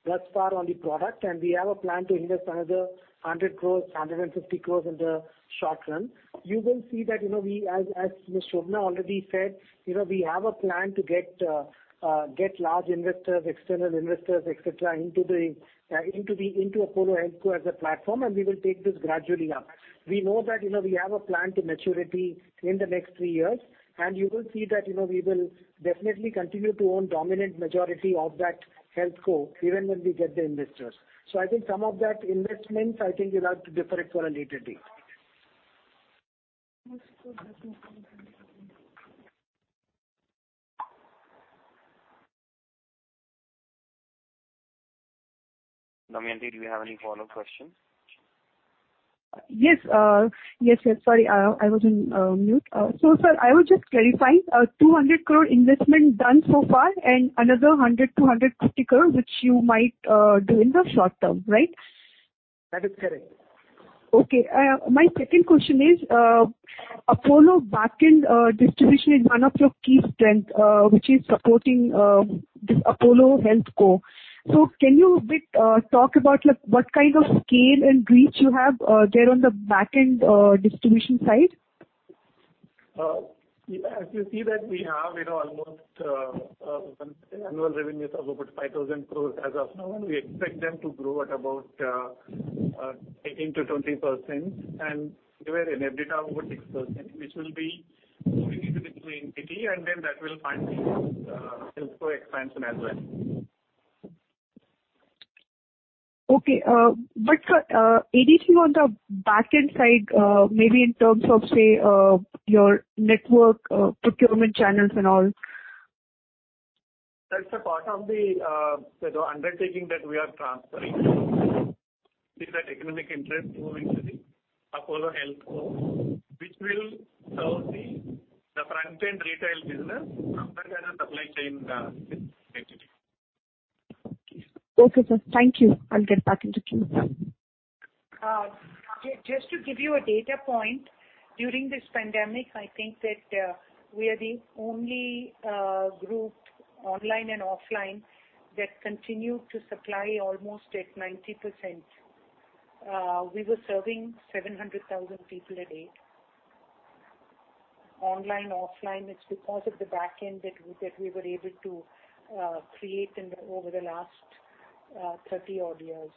thus far on the product. We have a plan to invest another 100 crores, 150 crores in the short run. You will see that, as Ms. Shobana Kamineni already said, we have a plan to get large investors, external investors, et cetera, into Apollo HealthCo as a platform. We will take this gradually up. We know that we have a plan to maturity in the next three years. You will see that we will definitely continue to own dominant majority of that HealthCo even when we get the investors. I think some of that investment, I think we'll have to defer it for a later date. Damayanti, do you have any follow-up questions? Yes, sorry, I was in mute. Sir, I was just clarifying, 200 crore investment done so far and another 100 crore-150 crore, which you might do in the short term, right? That is correct. Okay. My second question is, Apollo backend distribution is one of your key strengths, which is supporting this Apollo HealthCo. Can you a bit talk about what kind of scale and reach you have there on the backend distribution side? As you see that we have almost annual revenues of over 5,000 crores as of now. We expect them to grow at about 18%-20% and deliver an EBITDA of over 6%, which will be moving into this new entity, and then that will fund the HealthCo expansion as well. Okay. Anything on the backend side, maybe in terms of, say, your network procurement channels and all? That's a part of the undertaking that we are transferring with the economic interest moving to the Apollo HealthCo, which will serve the front-end retail business and the supply chain activity. Okay, sir. Thank you. I'll get back into queue now. Just to give you a data point, during this pandemic, I think that we are the only group, online and offline, that continued to supply almost at 90%. We were serving 700,000 people a day. Online, offline, it's because of the backend that we were able to create over the last 30-odd years.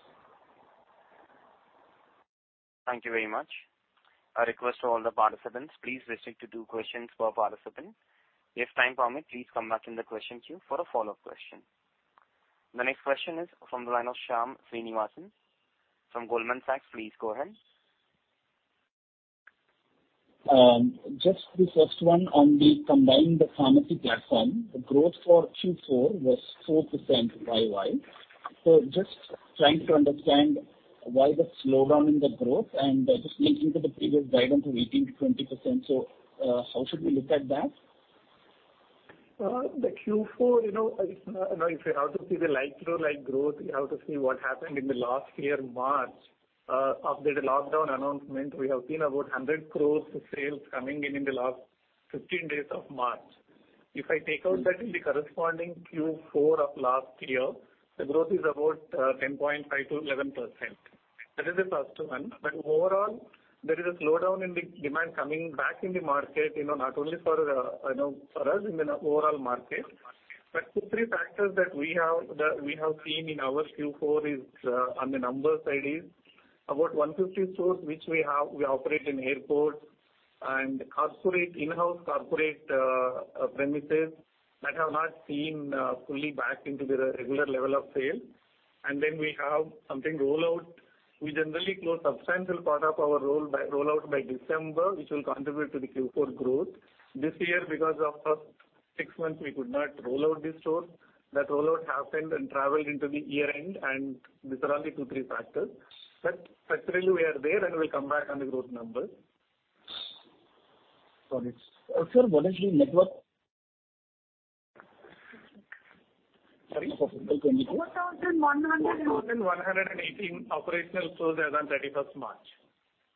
Thank you very much. A request to all the participants, please restrict to two questions per participant. If time permit, please come back in the question queue for a follow-up question. The next question is from the line of Shyam Srinivasan from Goldman Sachs. Please go ahead. The first one on the combined pharmacy platform. The growth for Q4 was 4% year-over-year. Just trying to understand why the slowdown in the growth, and just linking to the previous guidance of 18%-20%. How should we look at that? The Q4, if you have to see the like-to-like growth, you have to see what happened in the last year, March. After the lockdown announcement, we have seen about 100 crores of sales coming in the last 15 days of March. If I take out that in the corresponding Q4 of last year, the growth is about 10.5%-11%. Overall, there is a slowdown in the demand coming back in the market, not only for us, in the overall market. Two, three factors that we have seen in our Q4 on the numbers side is about 150 stores, which we operate in airports and corporate in-house premises that have not seen fully back into the regular level of sale. Then we have something roll out. We generally close substantial part of our rollout by December, which will contribute to the Q4 growth. This year, because of six months, we could not roll out these stores. That rollout happened and traveled into the year-end, and these are only two, three factors. Structurally, we are there, and we'll come back on the growth numbers. Got it. Sir, what is the network? Sorry. Four thousand one hundred and- 4,118 operational stores as on 31st March.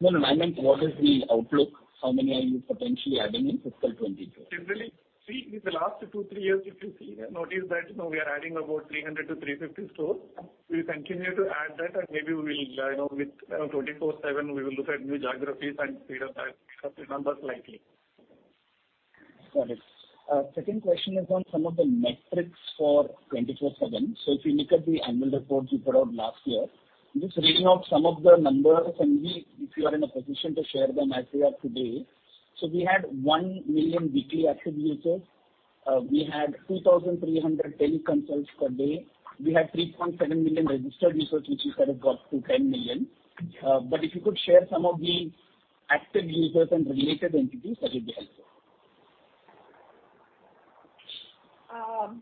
No, I meant what is the outlook? How many are you potentially adding in FY 2022? Generally, in the last two, three years, if you see, notice that we are adding about 300 to 350 stores. We continue to add that, and maybe with 24/7, we will look at new geographies and speed up that number slightly. Got it. Second question is on some of the metrics for Apollo 24/7. If you look at the annual reports you put out last year, just reading out some of the numbers and if you are in a position to share them as we are today. We had 1 million weekly active users. We had 2,310 consults per day. We had 3.7 million registered users, which you said have got to 10 million. If you could share some of the active users and related entities, that would be helpful.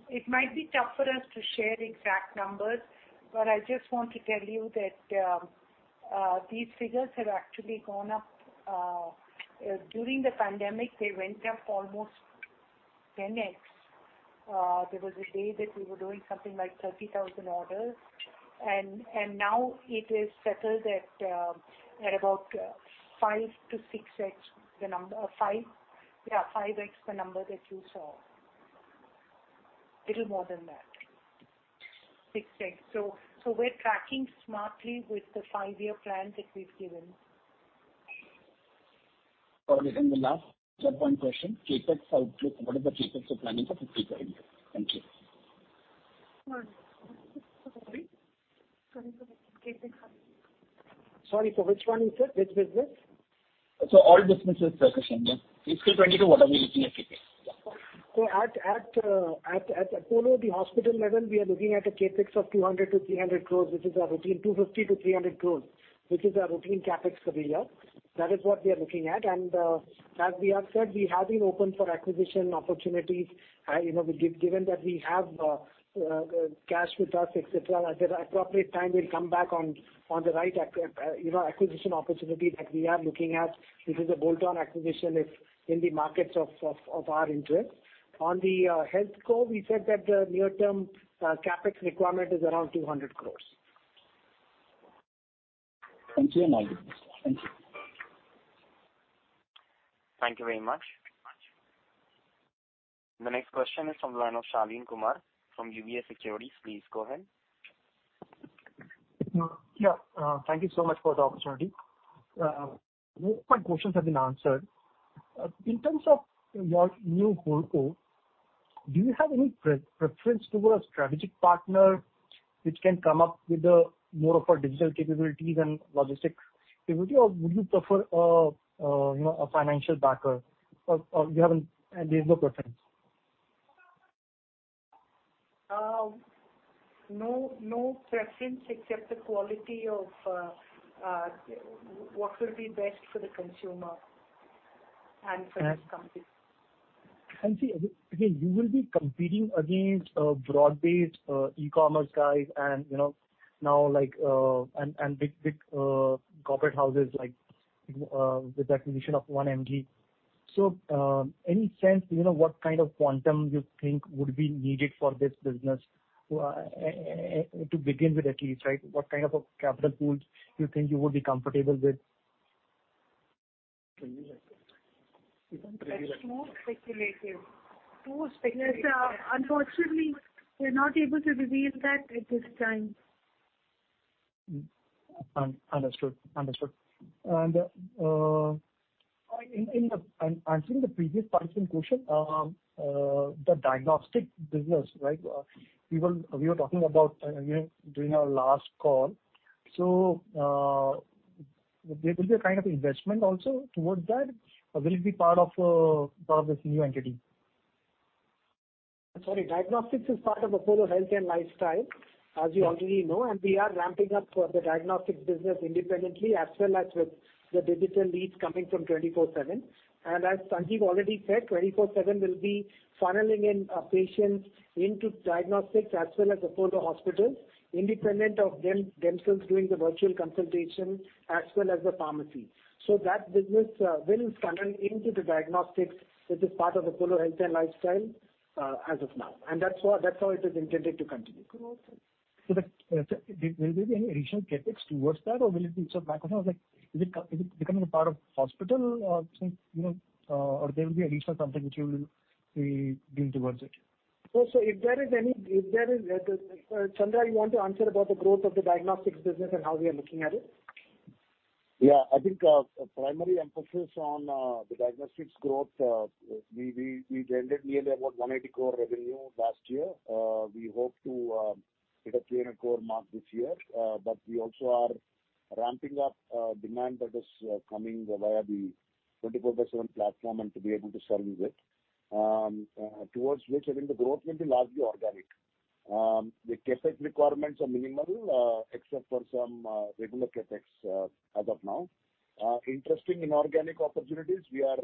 It might be tough for us to share exact numbers. I just want to tell you that these figures have actually gone up. During the pandemic, they went up almost 10x. There was a day that we were doing something like 30,000 orders. Now it is settled at about 5x the number that you saw. Little more than that, 6x. We're tracking smartly with the five-year plan that we've given. Got it. The last, third 1 question. CapEx outlook, what is the CapEx you're planning for fiscal year end? Thank you. Sorry, sir, repeat. Sorry, sir, CapEx. Sorry, sir, which one is it? Which business? Sir, all businesses together. Fiscal 2022, what are we looking at CapEx? At Apollo, the hospital level, we are looking at a CapEx of 200 crores-300 crores, which is our routine 250 crores-300 crores, which is our routine CapEx for the year. That is what we are looking at. As we have said, we have been open for acquisition opportunities, given that we have cash with us, et cetera. At the appropriate time, we'll come back on the right acquisition opportunity that we are looking at, which is a bolt-on acquisition in the markets of our interest. On the HealthCo, we said that the near-term CapEx requirement is around 200 crores. Thank you. Thank you. Thank you very much. The next question is from the line of Shaleen Kumar from UBS Securities. Please go ahead. Yeah. Thank you so much for the opportunity. Most of my questions have been answered. In terms of your new HealthCo, do you have any preference towards strategic partner which can come up with more digital capabilities and logistics capabilities? Would you prefer a financial backer? There's no preference? No preference except the quality of what will be best for the consumer and for this company. You will be competing against broad-based e-commerce guys and big corporate houses like the definition of 1mg. Any sense, what kind of quantum you think would be needed for this business to begin with at least? What type of capital goals you think you would be comfortable with? That's more speculative. Unfortunately, we're not able to reveal that at this time. Understood. I think the previous question, the diagnostic business we were talking about during our last call. There will be a kind of investment also towards that or will it be part of this new entity? Sorry, diagnostics is part of Apollo Health and Lifestyle, as you already know. We are ramping up the diagnostics business independently as well as with the digital leads coming from 24/7. As Sanjiv already said, 24/7 will be funneling in patients into diagnostics as well as Apollo Hospitals, independent of themselves doing the virtual consultation as well as the pharmacy. That business will funnel into the diagnostics, which is part of Apollo Health and Lifestyle as of now. That's how it is intended to continue. Will there be any initial CapEx towards that or will it be sort of like it becoming a part of the hospital or there will be an initial contribution we give towards it? Sanjiv, you want to answer about the growth of the diagnostics business and how we are looking at it? Yeah, I think our primary emphasis on the diagnostics growth, we generated nearly about 180 crore revenue last year. We hope to hit a 300 crore mark this year, but we also are ramping up demand that is coming via the Apollo 24/7 platform and to be able to serve it. Towards which, I think the growth will be largely organic. The CapEx requirements are minimal, except for some regular CapEx as of now. Interesting inorganic opportunities we are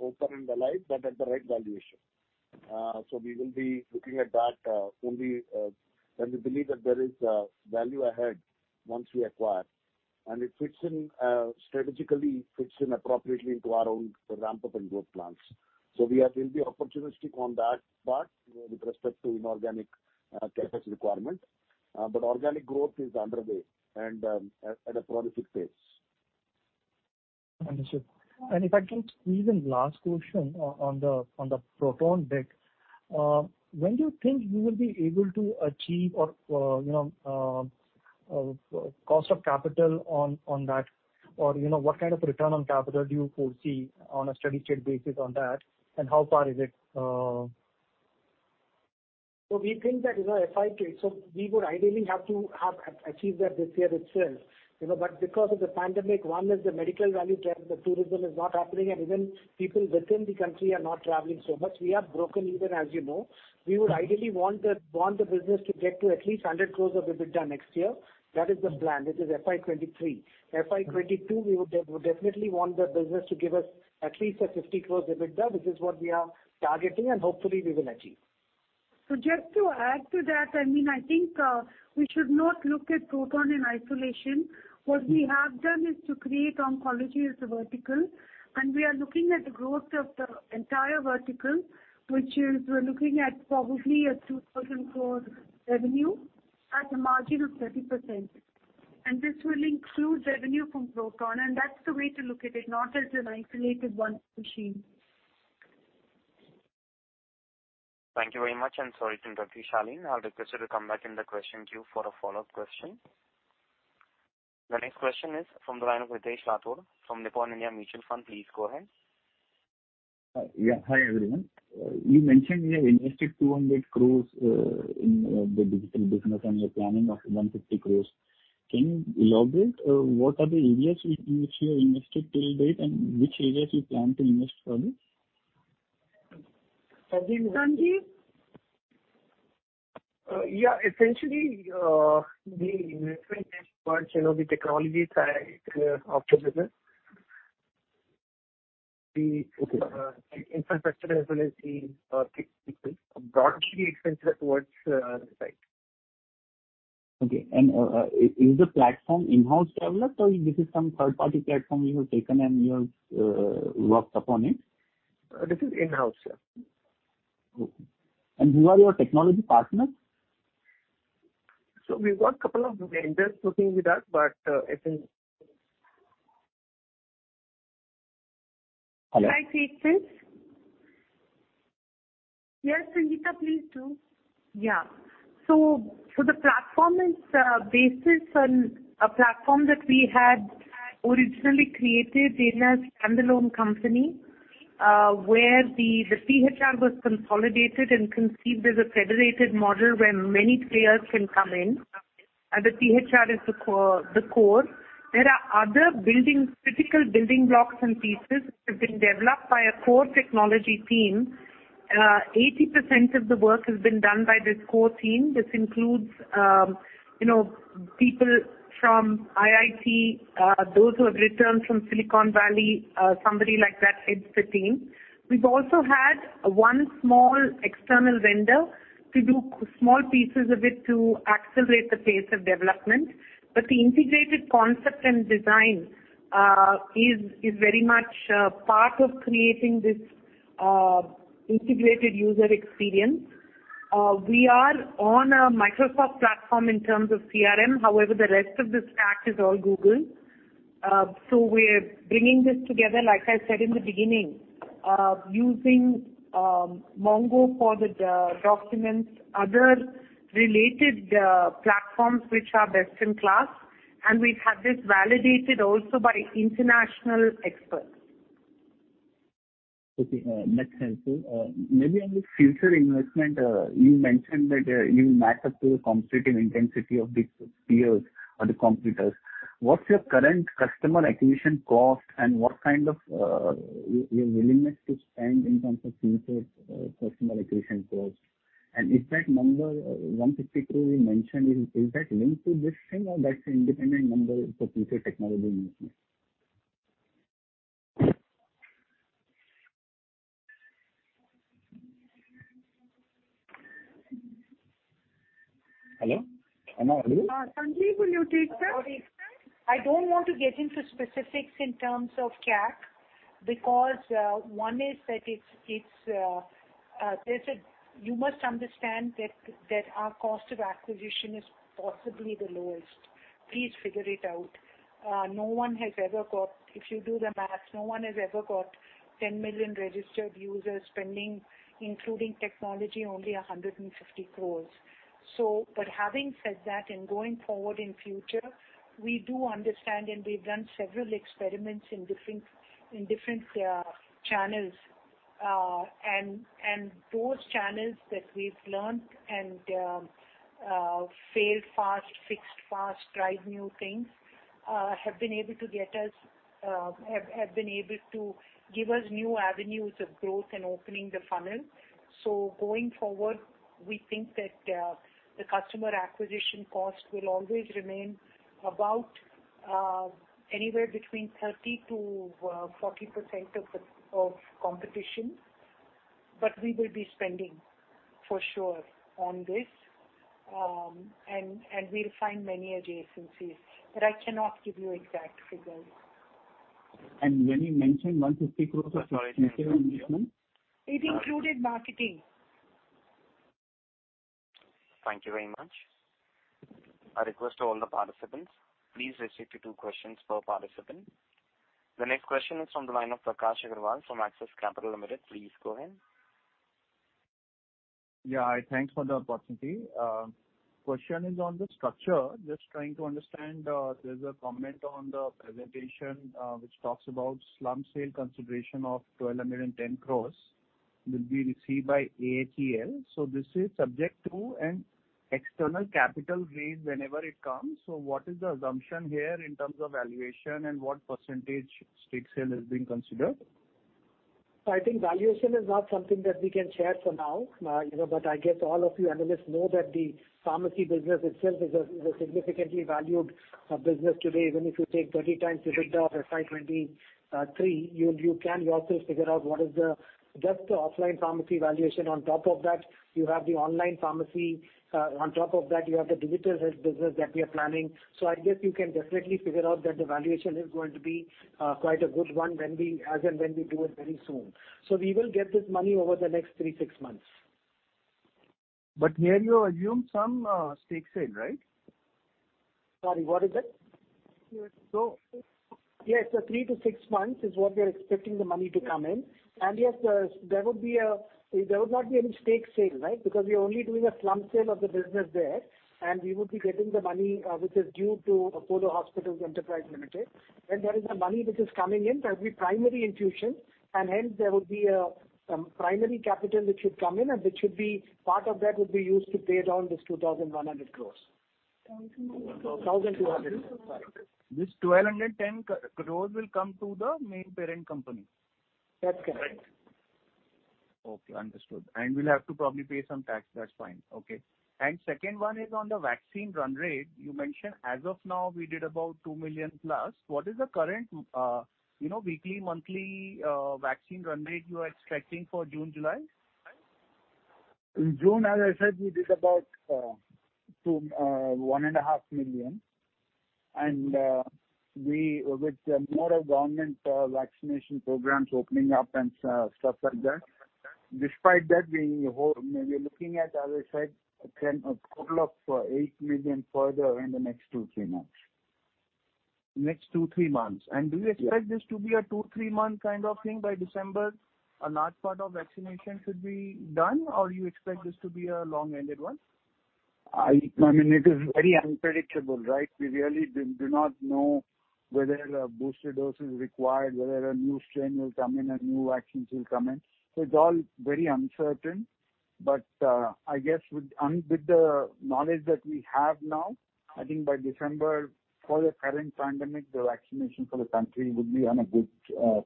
open and alive, but at the right valuation. We will be looking at that only when we believe that there is value ahead once we acquire, and it strategically fits in appropriately into our own ramp-up and growth plans. We will be opportunistic on that part with respect to inorganic CapEx requirement. Organic growth is underway and at a prolific pace. Understood. If I can squeeze in last question on the proton bit. When do you think you will be able to achieve cost of capital on that or what kind of return on capital do you foresee on a steady-state basis on that, and how far is it? We think that in FY 2023, we would ideally have to achieve that this year itself. Because of the pandemic, one is the medical value chain, the tourism is not happening, and even people within the country are not traveling so much. We have broken even, as you know. We would ideally want the business to get to at least 100 crores of EBITDA next year. That is the plan. This is FY 2023. FY 2022, we would definitely want the business to give us at least an 50 crore EBITDA. This is what we are targeting, and hopefully we will achieve. Just to add to that, I think we should not look at proton in isolation. What we have done is to create oncology as a vertical, and we are looking at growth of the entire vertical, which is we're looking at probably an 2,000 crore revenue at a margin of 30%. This will include revenue from proton, and that's the way to look at it, not as an isolated one machine. Thank you very much, and sorry to interrupt you, Shaleen. I would request you to come back in the question queue for a follow-up question. The next question is from Rakesh Hathwar from Nippon India Mutual Fund. Please go ahead. Yeah. Hi, everyone. You mentioned you have invested 200 crores in the digital business and the planning of 150 crores. Can you elaborate what are the areas in which you invested till date and which areas you plan to invest further? Sanjiv? Yeah, essentially, the investment is towards the technology side of the business, the infrastructure, as well as the people. Broadly, it's towards tech. Okay. Is the platform in-house development or this is some third-party platform you have taken and you have worked upon it? It is in-house, yeah. Okay. Who are your technology partners? We've got a couple of vendors working with us, but I think Can I take this? Yes, Sangita Reddy, please do. Yeah. The platform is based on a platform that we had originally created in a standalone company, where the PHR was consolidated and conceived as a federated model where many players can come in. The PHR is the core. There are other critical building blocks and pieces that have been developed by a core technology team, 80% of the work has been done by this core team. This includes people from IIT, those who have returned from Silicon Valley, somebody like that heads the team. We've also had one small external vendor to do small pieces of it to accelerate the pace of development. The integrated concept and design is very much a part of creating this integrated user experience. We are on a Microsoft platform in terms of CRM. However, the rest of the stack is all Google. We're bringing this together, like I said in the beginning, using MongoDB for the documents, other related platforms which are best in class. We have this validated also by international experts. Okay. Next question. Maybe on the future investment, you mentioned that you match up to the competitive intensity of the peers or the competitors. What's your current customer acquisition cost and what kind of limits you stand in terms of future personalization cost? Is that number one particularly you mentioned, is that linked to this thing or that's independent number for future technology uses? Hello, can you hear me? Sanjiv, will you take that? Sorry. I don't want to get into specifics in terms of CAC, because one is that you must understand that our cost of acquisition is possibly the lowest. Please figure it out. If you do the math, no one has ever got 10 million registered users spending, including technology, only 150 crores. Having said that, going forward in future, we do understand, we've done several experiments in different channels. Those channels that we've learnt and failed fast, fixed fast, tried new things, have been able to give us new avenues of growth and opening the funnel. Going forward, we think that the customer acquisition cost will always remain about anywhere between 30%-40% of competition. We will be spending for sure on this, we'll find many adjacencies. I cannot give you exact figures. When you mentioned 150 crores of investment. It included marketing. Thank you very much. A request to all the participants, please restrict to two questions per participant. The next question is from the line of Prakash Agarwal from Axis Capital Limited. Please go ahead. Yeah. Thanks for the opportunity. Question is on the structure. Just trying to understand, there's a comment on the presentation which talks about slump sale consideration of 1,210 crores will be received by AHEL. This is subject to an external capital raise whenever it comes. What is the assumption here in terms of valuation and what % stake sale is being considered? I think valuation is not something that we can share for now. I guess all of you analysts know that the pharmacy business itself is a significantly valued business today. Even if you take 30x EBITDA of FY 2023, you can also figure out what is just the offline pharmacy valuation. On top of that, you have the online pharmacy, on top of that, you have the digital health business that we are planning. I guess you can definitely figure out that the valuation is going to be quite a good one as and when we do it very soon. We will get this money over the next three to six months. Here you assume some stake sale, right? Sorry, what is it? So- Yes, 3 to 6 months is what we are expecting the money to come in. Yes, there would not be any stake sale, right? Because we're only doing a slump sale of the business there, and we would be getting the money which is due to Apollo Hospitals Enterprise Limited. There is the money which is coming in. That'll be primary infusion, and hence there will be some primary capitaln which should come in, and part of that will be used to pay down this 1,200 crores. This 1,210 crores will come to the main parent company? That's correct. Okay, understood. You'll have to probably pay some tax. That's fine. Okay. Second one is on the vaccine run rate. You mentioned as of now we did about 2 million+. What is the current weekly, monthly vaccine run rate you are expecting for June, July? In June, as I said, we did about one and a half million. With more government vaccination programs opening up and stuff like that, despite that, we're looking at, as I said, a total of 8 million further in the next two, three months. Next two, three months. Do you expect this to be a two, three-month kind of thing? By December, a large part of vaccination should be done, or you expect this to be a long-ended one? I mean, it is very unpredictable, right? We really do not know whether a booster dose is required, whether a new strain will come in, a new vaccine will come in. It is all very uncertain. I guess with the knowledge that we have now, I think by December, for the current pandemic, the vaccination for the country will be on a good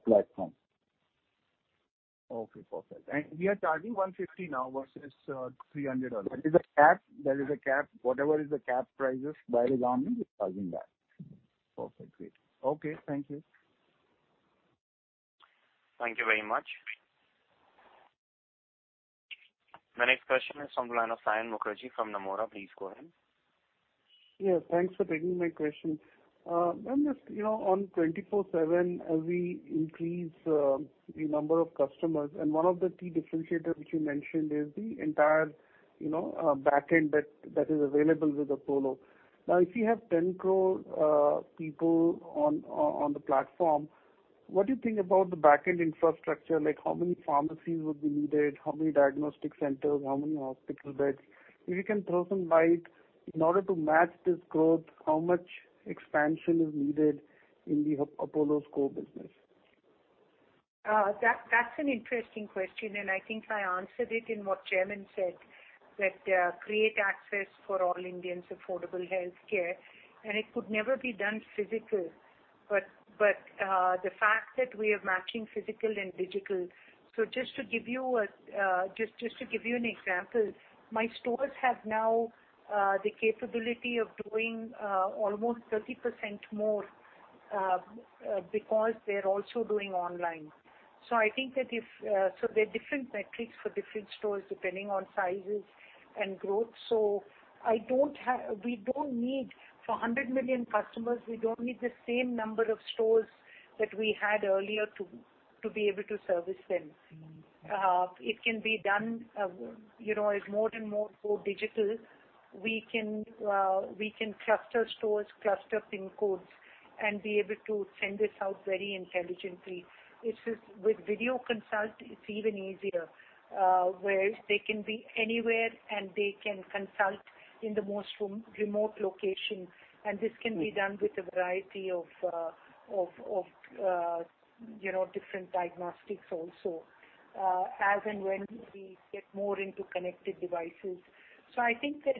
platform. Okay, perfect. We are targeting 150 now versus 300 beds. That is the cap. Whatever is the cap prices, that is our target. Perfect. Great. Okay. Thank you. Thank you very much. My next question is from the line of Saion Mukherjee from Nomura. Please go ahead. Thanks for taking my question. Ma'am, on Apollo 24/7, as we increase the number of customers, one of the key differentiators which you mentioned is the entire backend that is available with Apollo. If you have 10 crore people on the platform, what do you think about the backend infrastructure? How many pharmacies would be needed? How many diagnostic centers, how many hospital beds? If you can throw some light in order to match this growth, how much expansion is needed in the Apollo HealthCo business? That's an interesting question, and I think I answered it in what Chairman said, that create access for all Indians affordable healthcare, and it could never be done physical, but the fact that we are matching physical and digital. Just to give you an example, my stores have now the capability of doing almost 30% more because they're also doing online. There are different metrics for different stores depending on sizes and growth. For 100 million customers, we don't need the same number of stores that we had earlier to be able to service them. It can be done as more and more go digital. We can cluster stores, cluster PIN codes, and be able to send this out very intelligently. With video consult, it's even easier, where they can be anywhere and they can consult in the most remote location, and this can be done with a variety of different diagnostics also, as and when we get more into connected devices. I think that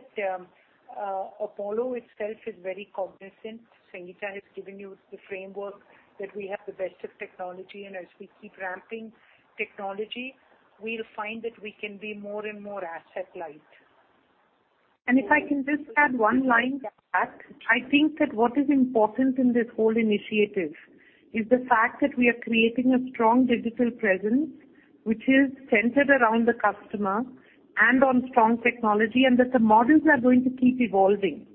Apollo itself is very cognizant. Sangita has given you the framework that we have the best of technology, and as we keep ramping technology, we'll find that we can be more and more asset-light. If I can just add one line to that, I think that what is important in this whole initiative is the fact that we are creating a strong digital presence, which is centered around the customer and on strong technology, and that the models are going to keep evolving.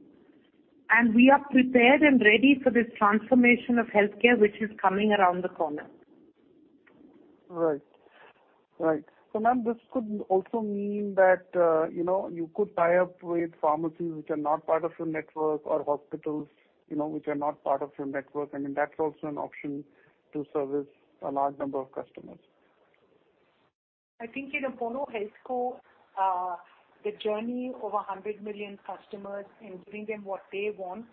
We are prepared and ready for this transformation of healthcare which is coming around the corner. Right. Ma'am, this could also mean that you could tie up with pharmacies which are not part of your network or hospitals which are not part of your network. I mean, that's also an option to service a large number of customers. I think in Apollo HealthCo, the journey of 100 million customers and giving them what they want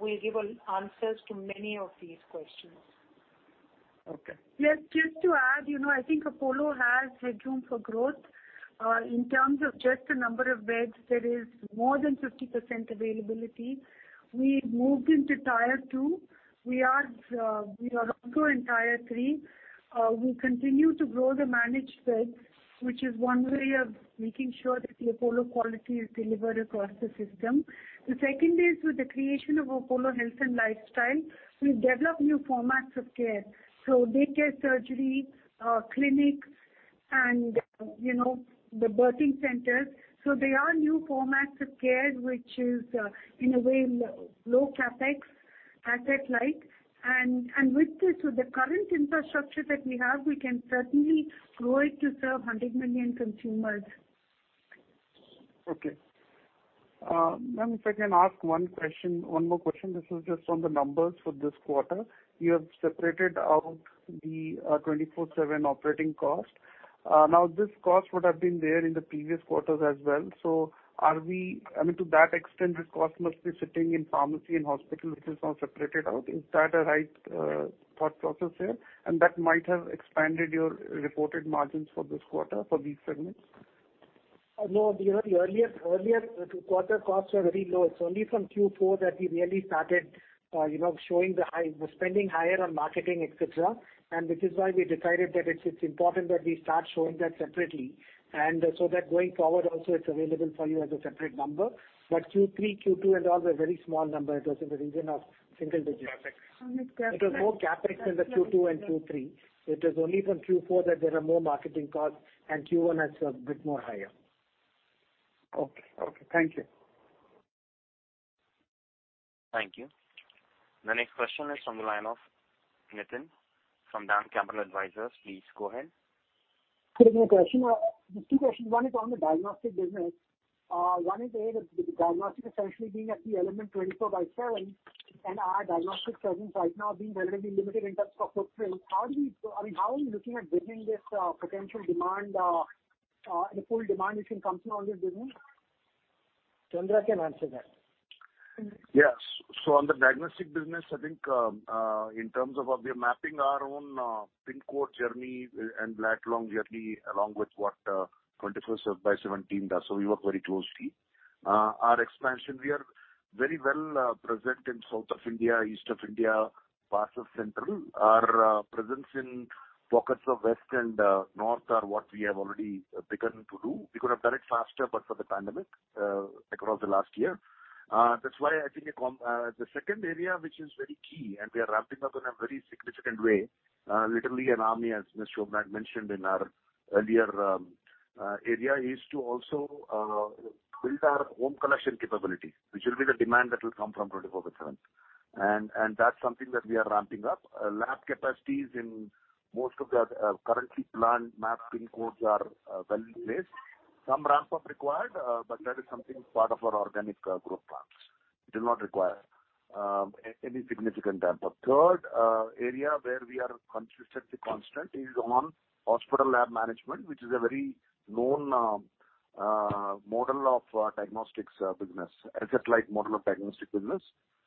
will give answers to many of these questions. Okay. Just to add, I think Apollo has headroom for growth. In terms of just the number of beds, there is more than 50% availability. We've moved into Tier 2. We are ongoing Tier 3. We continue to grow the managed beds, which is one way of making sure that the Apollo quality is delivered across the system. The second is with the creation of Apollo Health and Lifestyle, we develop new formats of care. Day care surgery, clinics, and the birthing centers. They are new formats of care, which is, in a way, low CapEx, asset-light. With this, with the current infrastructure that we have, we can certainly grow it to serve 100 million consumers. Okay. Ma'am, if I can ask one more question. This is just on the numbers for this quarter. You have separated out the 24/7 operating cost. This cost would have been there in the previous quarters as well. I mean, to that extent, the cost must be sitting in pharmacy and hospital, which is now separated out. Is that a right thought process there? That might have expanded your reported margins for this quarter for these segments. No, the earlier quarter costs were very low. It's only from Q4 that we really started showing the spending higher on marketing, et cetera. This is why we decided that it's important that we start showing that separately, and so that going forward also, it's available for you as a separate number. Q3, Q2, and all were very small numbers, also in the region of single-digits. CapEx. It was more CapEx in the Q2 and Q3. It was only from Q4 that there were more marketing costs, and Q1 had a bit more higher. Okay. Thank you. Thank you. The next question is from the line of Nitin from DAM Capital Advisors. Please go ahead. Two questions. One is on the diagnostic business. One is diagnostic essentially being at the Apollo 24/7, and our diagnostic presence right now being already limited in terms of footprint. How are we looking at meeting this potential demand and the full demand which can come from this business? Chandra can answer that. On the diagnostic business, I think in terms of we're mapping our own pin code journey and lat-long journey along with what Apollo 24/7 does. We work very closely. Our expansion, we are very well present in South of India, East of India, parts of Central. Our presence in pockets of West and North are what we have already begun to do. We could have done it faster but for the pandemic across the last year. That's why I think the second area, which is very key, and we are ramping up in a very significant way, literally an army, as Ms. Shobana mentioned in our earlier area, is to also build our home collection capability, which will be the demand that will come from Apollo 24/7. That's something that we are ramping up. Lab capacities in most of the currently planned map pin codes are well placed. Some ramp-up required, but that is something part of our organic growth plans. It does not require any significant ramp-up. Third area where we are consistently constant is on hospital lab management, which is a very known model of diagnostics business. Asset-light model of diagnostics business.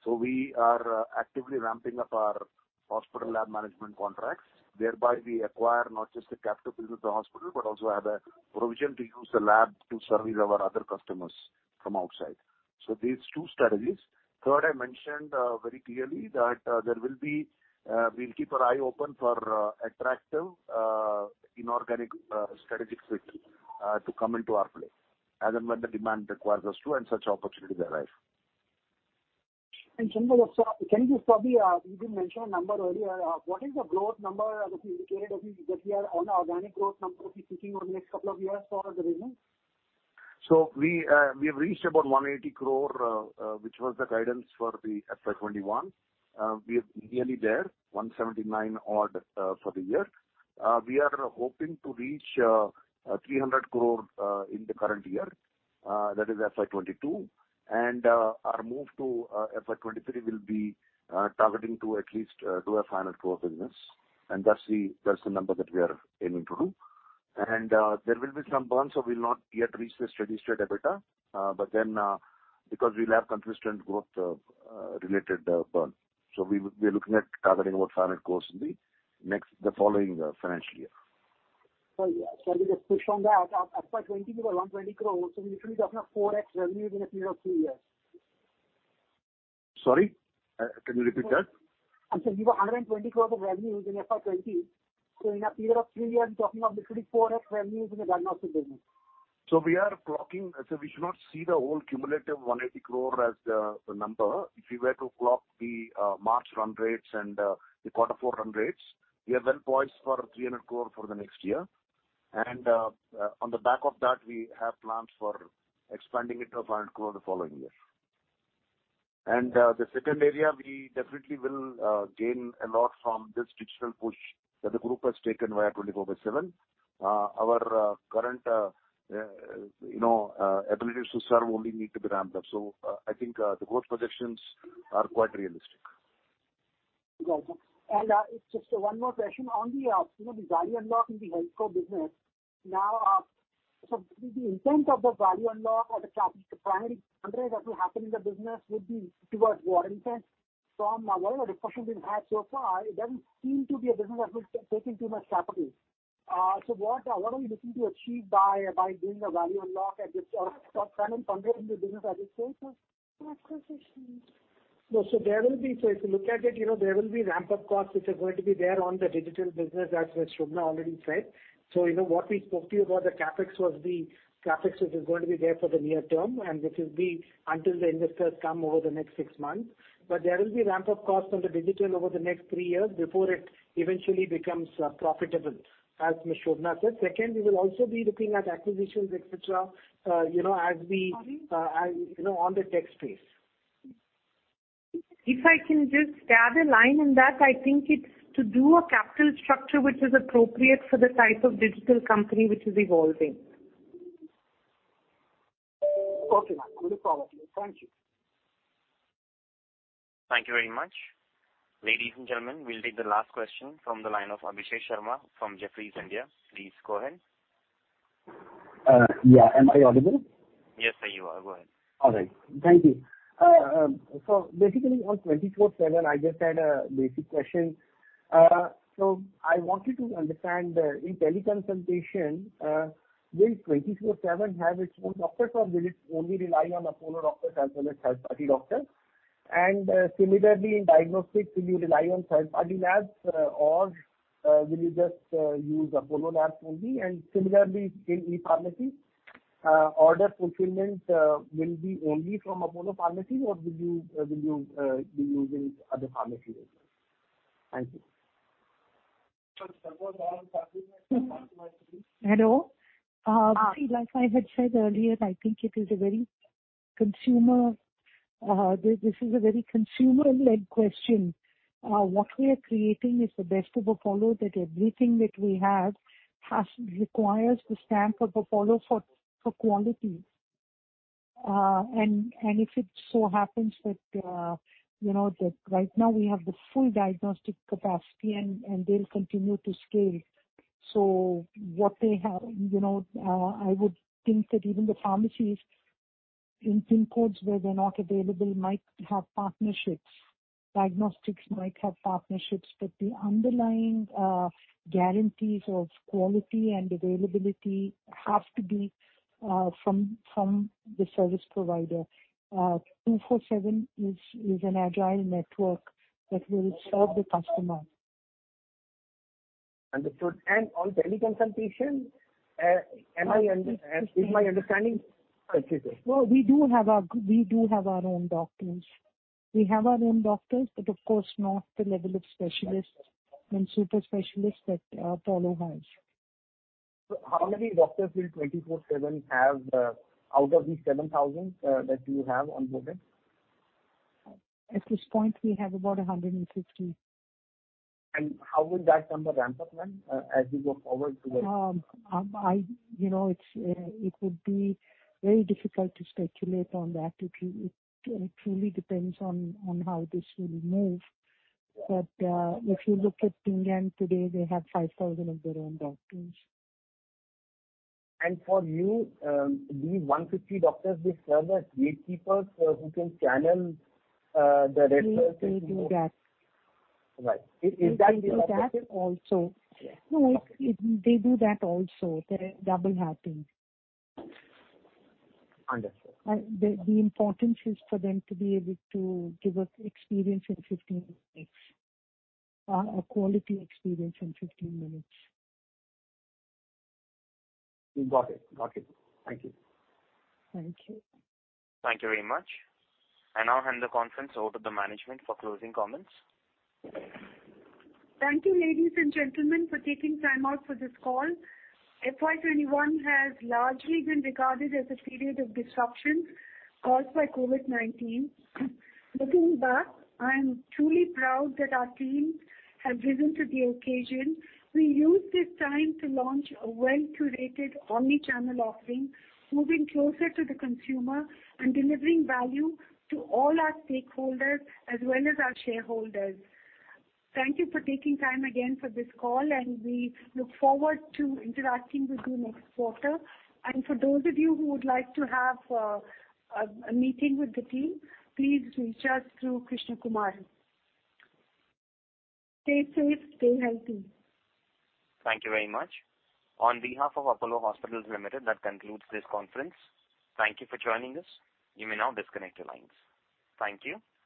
We are actively ramping up our hospital lab management contracts. Thereby, we acquire not just the capital business of the hospital, but also have a provision to use the lab to service our other customers from outside. These two strategies. Third, I mentioned very clearly that we'll keep our eye open for attractive inorganic strategic fits to come into our play as and when the demand requires us to, and such opportunities arise. Chandra, You did mention a number earlier. What is the growth number that you indicate that we get here on our organic growth number potentially over the next couple of years for the region? We have reached about 180 crore, which was the guidance for the FY 2021. We are nearly there, 179 odd for the year. We are hoping to reach 300 crore in the current year, that is FY 2022. Our move to FY 2023 will be targeting to at least do an INR 500 crore business. That's the number that we are aiming to do. There will be some burn, we'll not yet reach the steady state EBITDA because we have consistent growth-related burn. We'll be looking at covering our 500 crore in the following financial year. Just to push on that, FY 2020, INR 120 crore, so we're talking of 4x revenue in a period of three years. Sorry, can you repeat that? I said you have 120 crore of revenue in FY 2020. In a period of three years, you're talking of nearly 4x revenue in the run rate business. We should not see the whole cumulative 180 crore as the number. If you were to clock the March run rates and the quarter four run rates, we are well poised for 300 crore for the next year. On the back of that, we have plans for expanding it to 500 crore the following year. The second area, we definitely will gain a lot from this digital push that the group has taken via Apollo 24/7. Our current abilities to serve only need to be ramped up. I think the growth projections are quite realistic. Got it. Just one more question on the value unlock in the HealthCo business. The intent of the value unlock or the primary fundraise that will happen in the business would be towards warranties from a lower customer base so far. It doesn't seem to be a business that will keep taking too much capital. What are we looking to achieve by doing the value unlock at this point for current fundraise in the business, are these sales or acquisitions? If you look at it, there will be ramp-up costs which are going to be there on the digital business, as Ms. Shobana already said. What we spoke to you about the CapEx is going to be there for the near term, and this will be until the investors come over the next six months. There will be ramp-up costs on the digital over the next three years before it eventually becomes profitable, as Ms. Shobana said. Second, we will also be looking at acquisitions, et cetera, on the tech space. If I can just add a line in that, I think it is to do a capital structure which is appropriate for the type of digital company which is evolving. Perfect. Wonderful. Thank you. Thank you very much. Ladies and gentlemen, we will take the last question from the line of Abhishek Sharma from Jefferies India. Please go ahead. Yeah. Am I audible? Yes, sir, you are. Go ahead. All right. Thank you. Basically on 24/7, I just had a related question. I want you to understand, in teleconsultation, will 24/7 have its own doctors or will it only rely on Apollo doctors as well as third-party doctors? Similarly, in diagnostics, will you rely on third-party labs or will you just use Apollo labs only? Similarly in e-pharmacy, order fulfillment will be only from Apollo Pharmacy or will you be using other pharmacy business? Thank you. Hello. Like I had said earlier, I think this is a very consumer-led question. What we are creating is the best of Apollo, that everything that we have requires the stamp of Apollo for quality. If it so happens that right now we have the full diagnostic capacity, and they'll continue to scale I would think that even the pharmacies in PIN codes where they're not available might have partnerships. Diagnostics might have partnerships, but the underlying guarantees of quality and availability have to be from the service provider. Apollo 24/7 is an agile network that will serve the customer. Understood. On teleconsultation, am I understanding correctly? Well, we do have our own doctors. We have our own doctors, but of course, not the level of specialists and super specialists that Apollo has. How many doctors will Apollo 24/7 have out of the 7,000 that you have on board? At this point, we have about 150. How will that come to ramp-up plan as we go forward to the. It would be very difficult to speculate on that. It truly depends on how this will move. If you look at Ping An today, they have 5,000 of their own doctors. For you, these 150 doctors will serve as gatekeepers who can channel the right person. They do that. Right. They do that also. Yes. No, they do that also. That will happen. Understood. The importance is for them to be able to give us experience in 15 minutes, a quality experience in 15 minutes. Got it. Thank you. Thank you. Thank you very much. I now hand the conference over to management for closing comments. Thank you, ladies and gentlemen, for taking time out for this call. FY 2021 has largely been regarded as a period of disruption caused by COVID-19. Looking back, I am truly proud that our team has risen to the occasion. We used this time to launch a well-curated omnichannel offering, moving closer to the consumer and delivering value to all our stakeholders as well as our shareholders. Thank you for taking time again for this call, we look forward to interacting with you next quarter. For those of you who would like to have a meeting with the team, please reach out through Krishna Kumar. Stay safe. Stay healthy. Thank you very much. On behalf of Apollo Hospitals Limited, that concludes this conference. Thank you for joining us. You may now disconnect your lines. Thank you.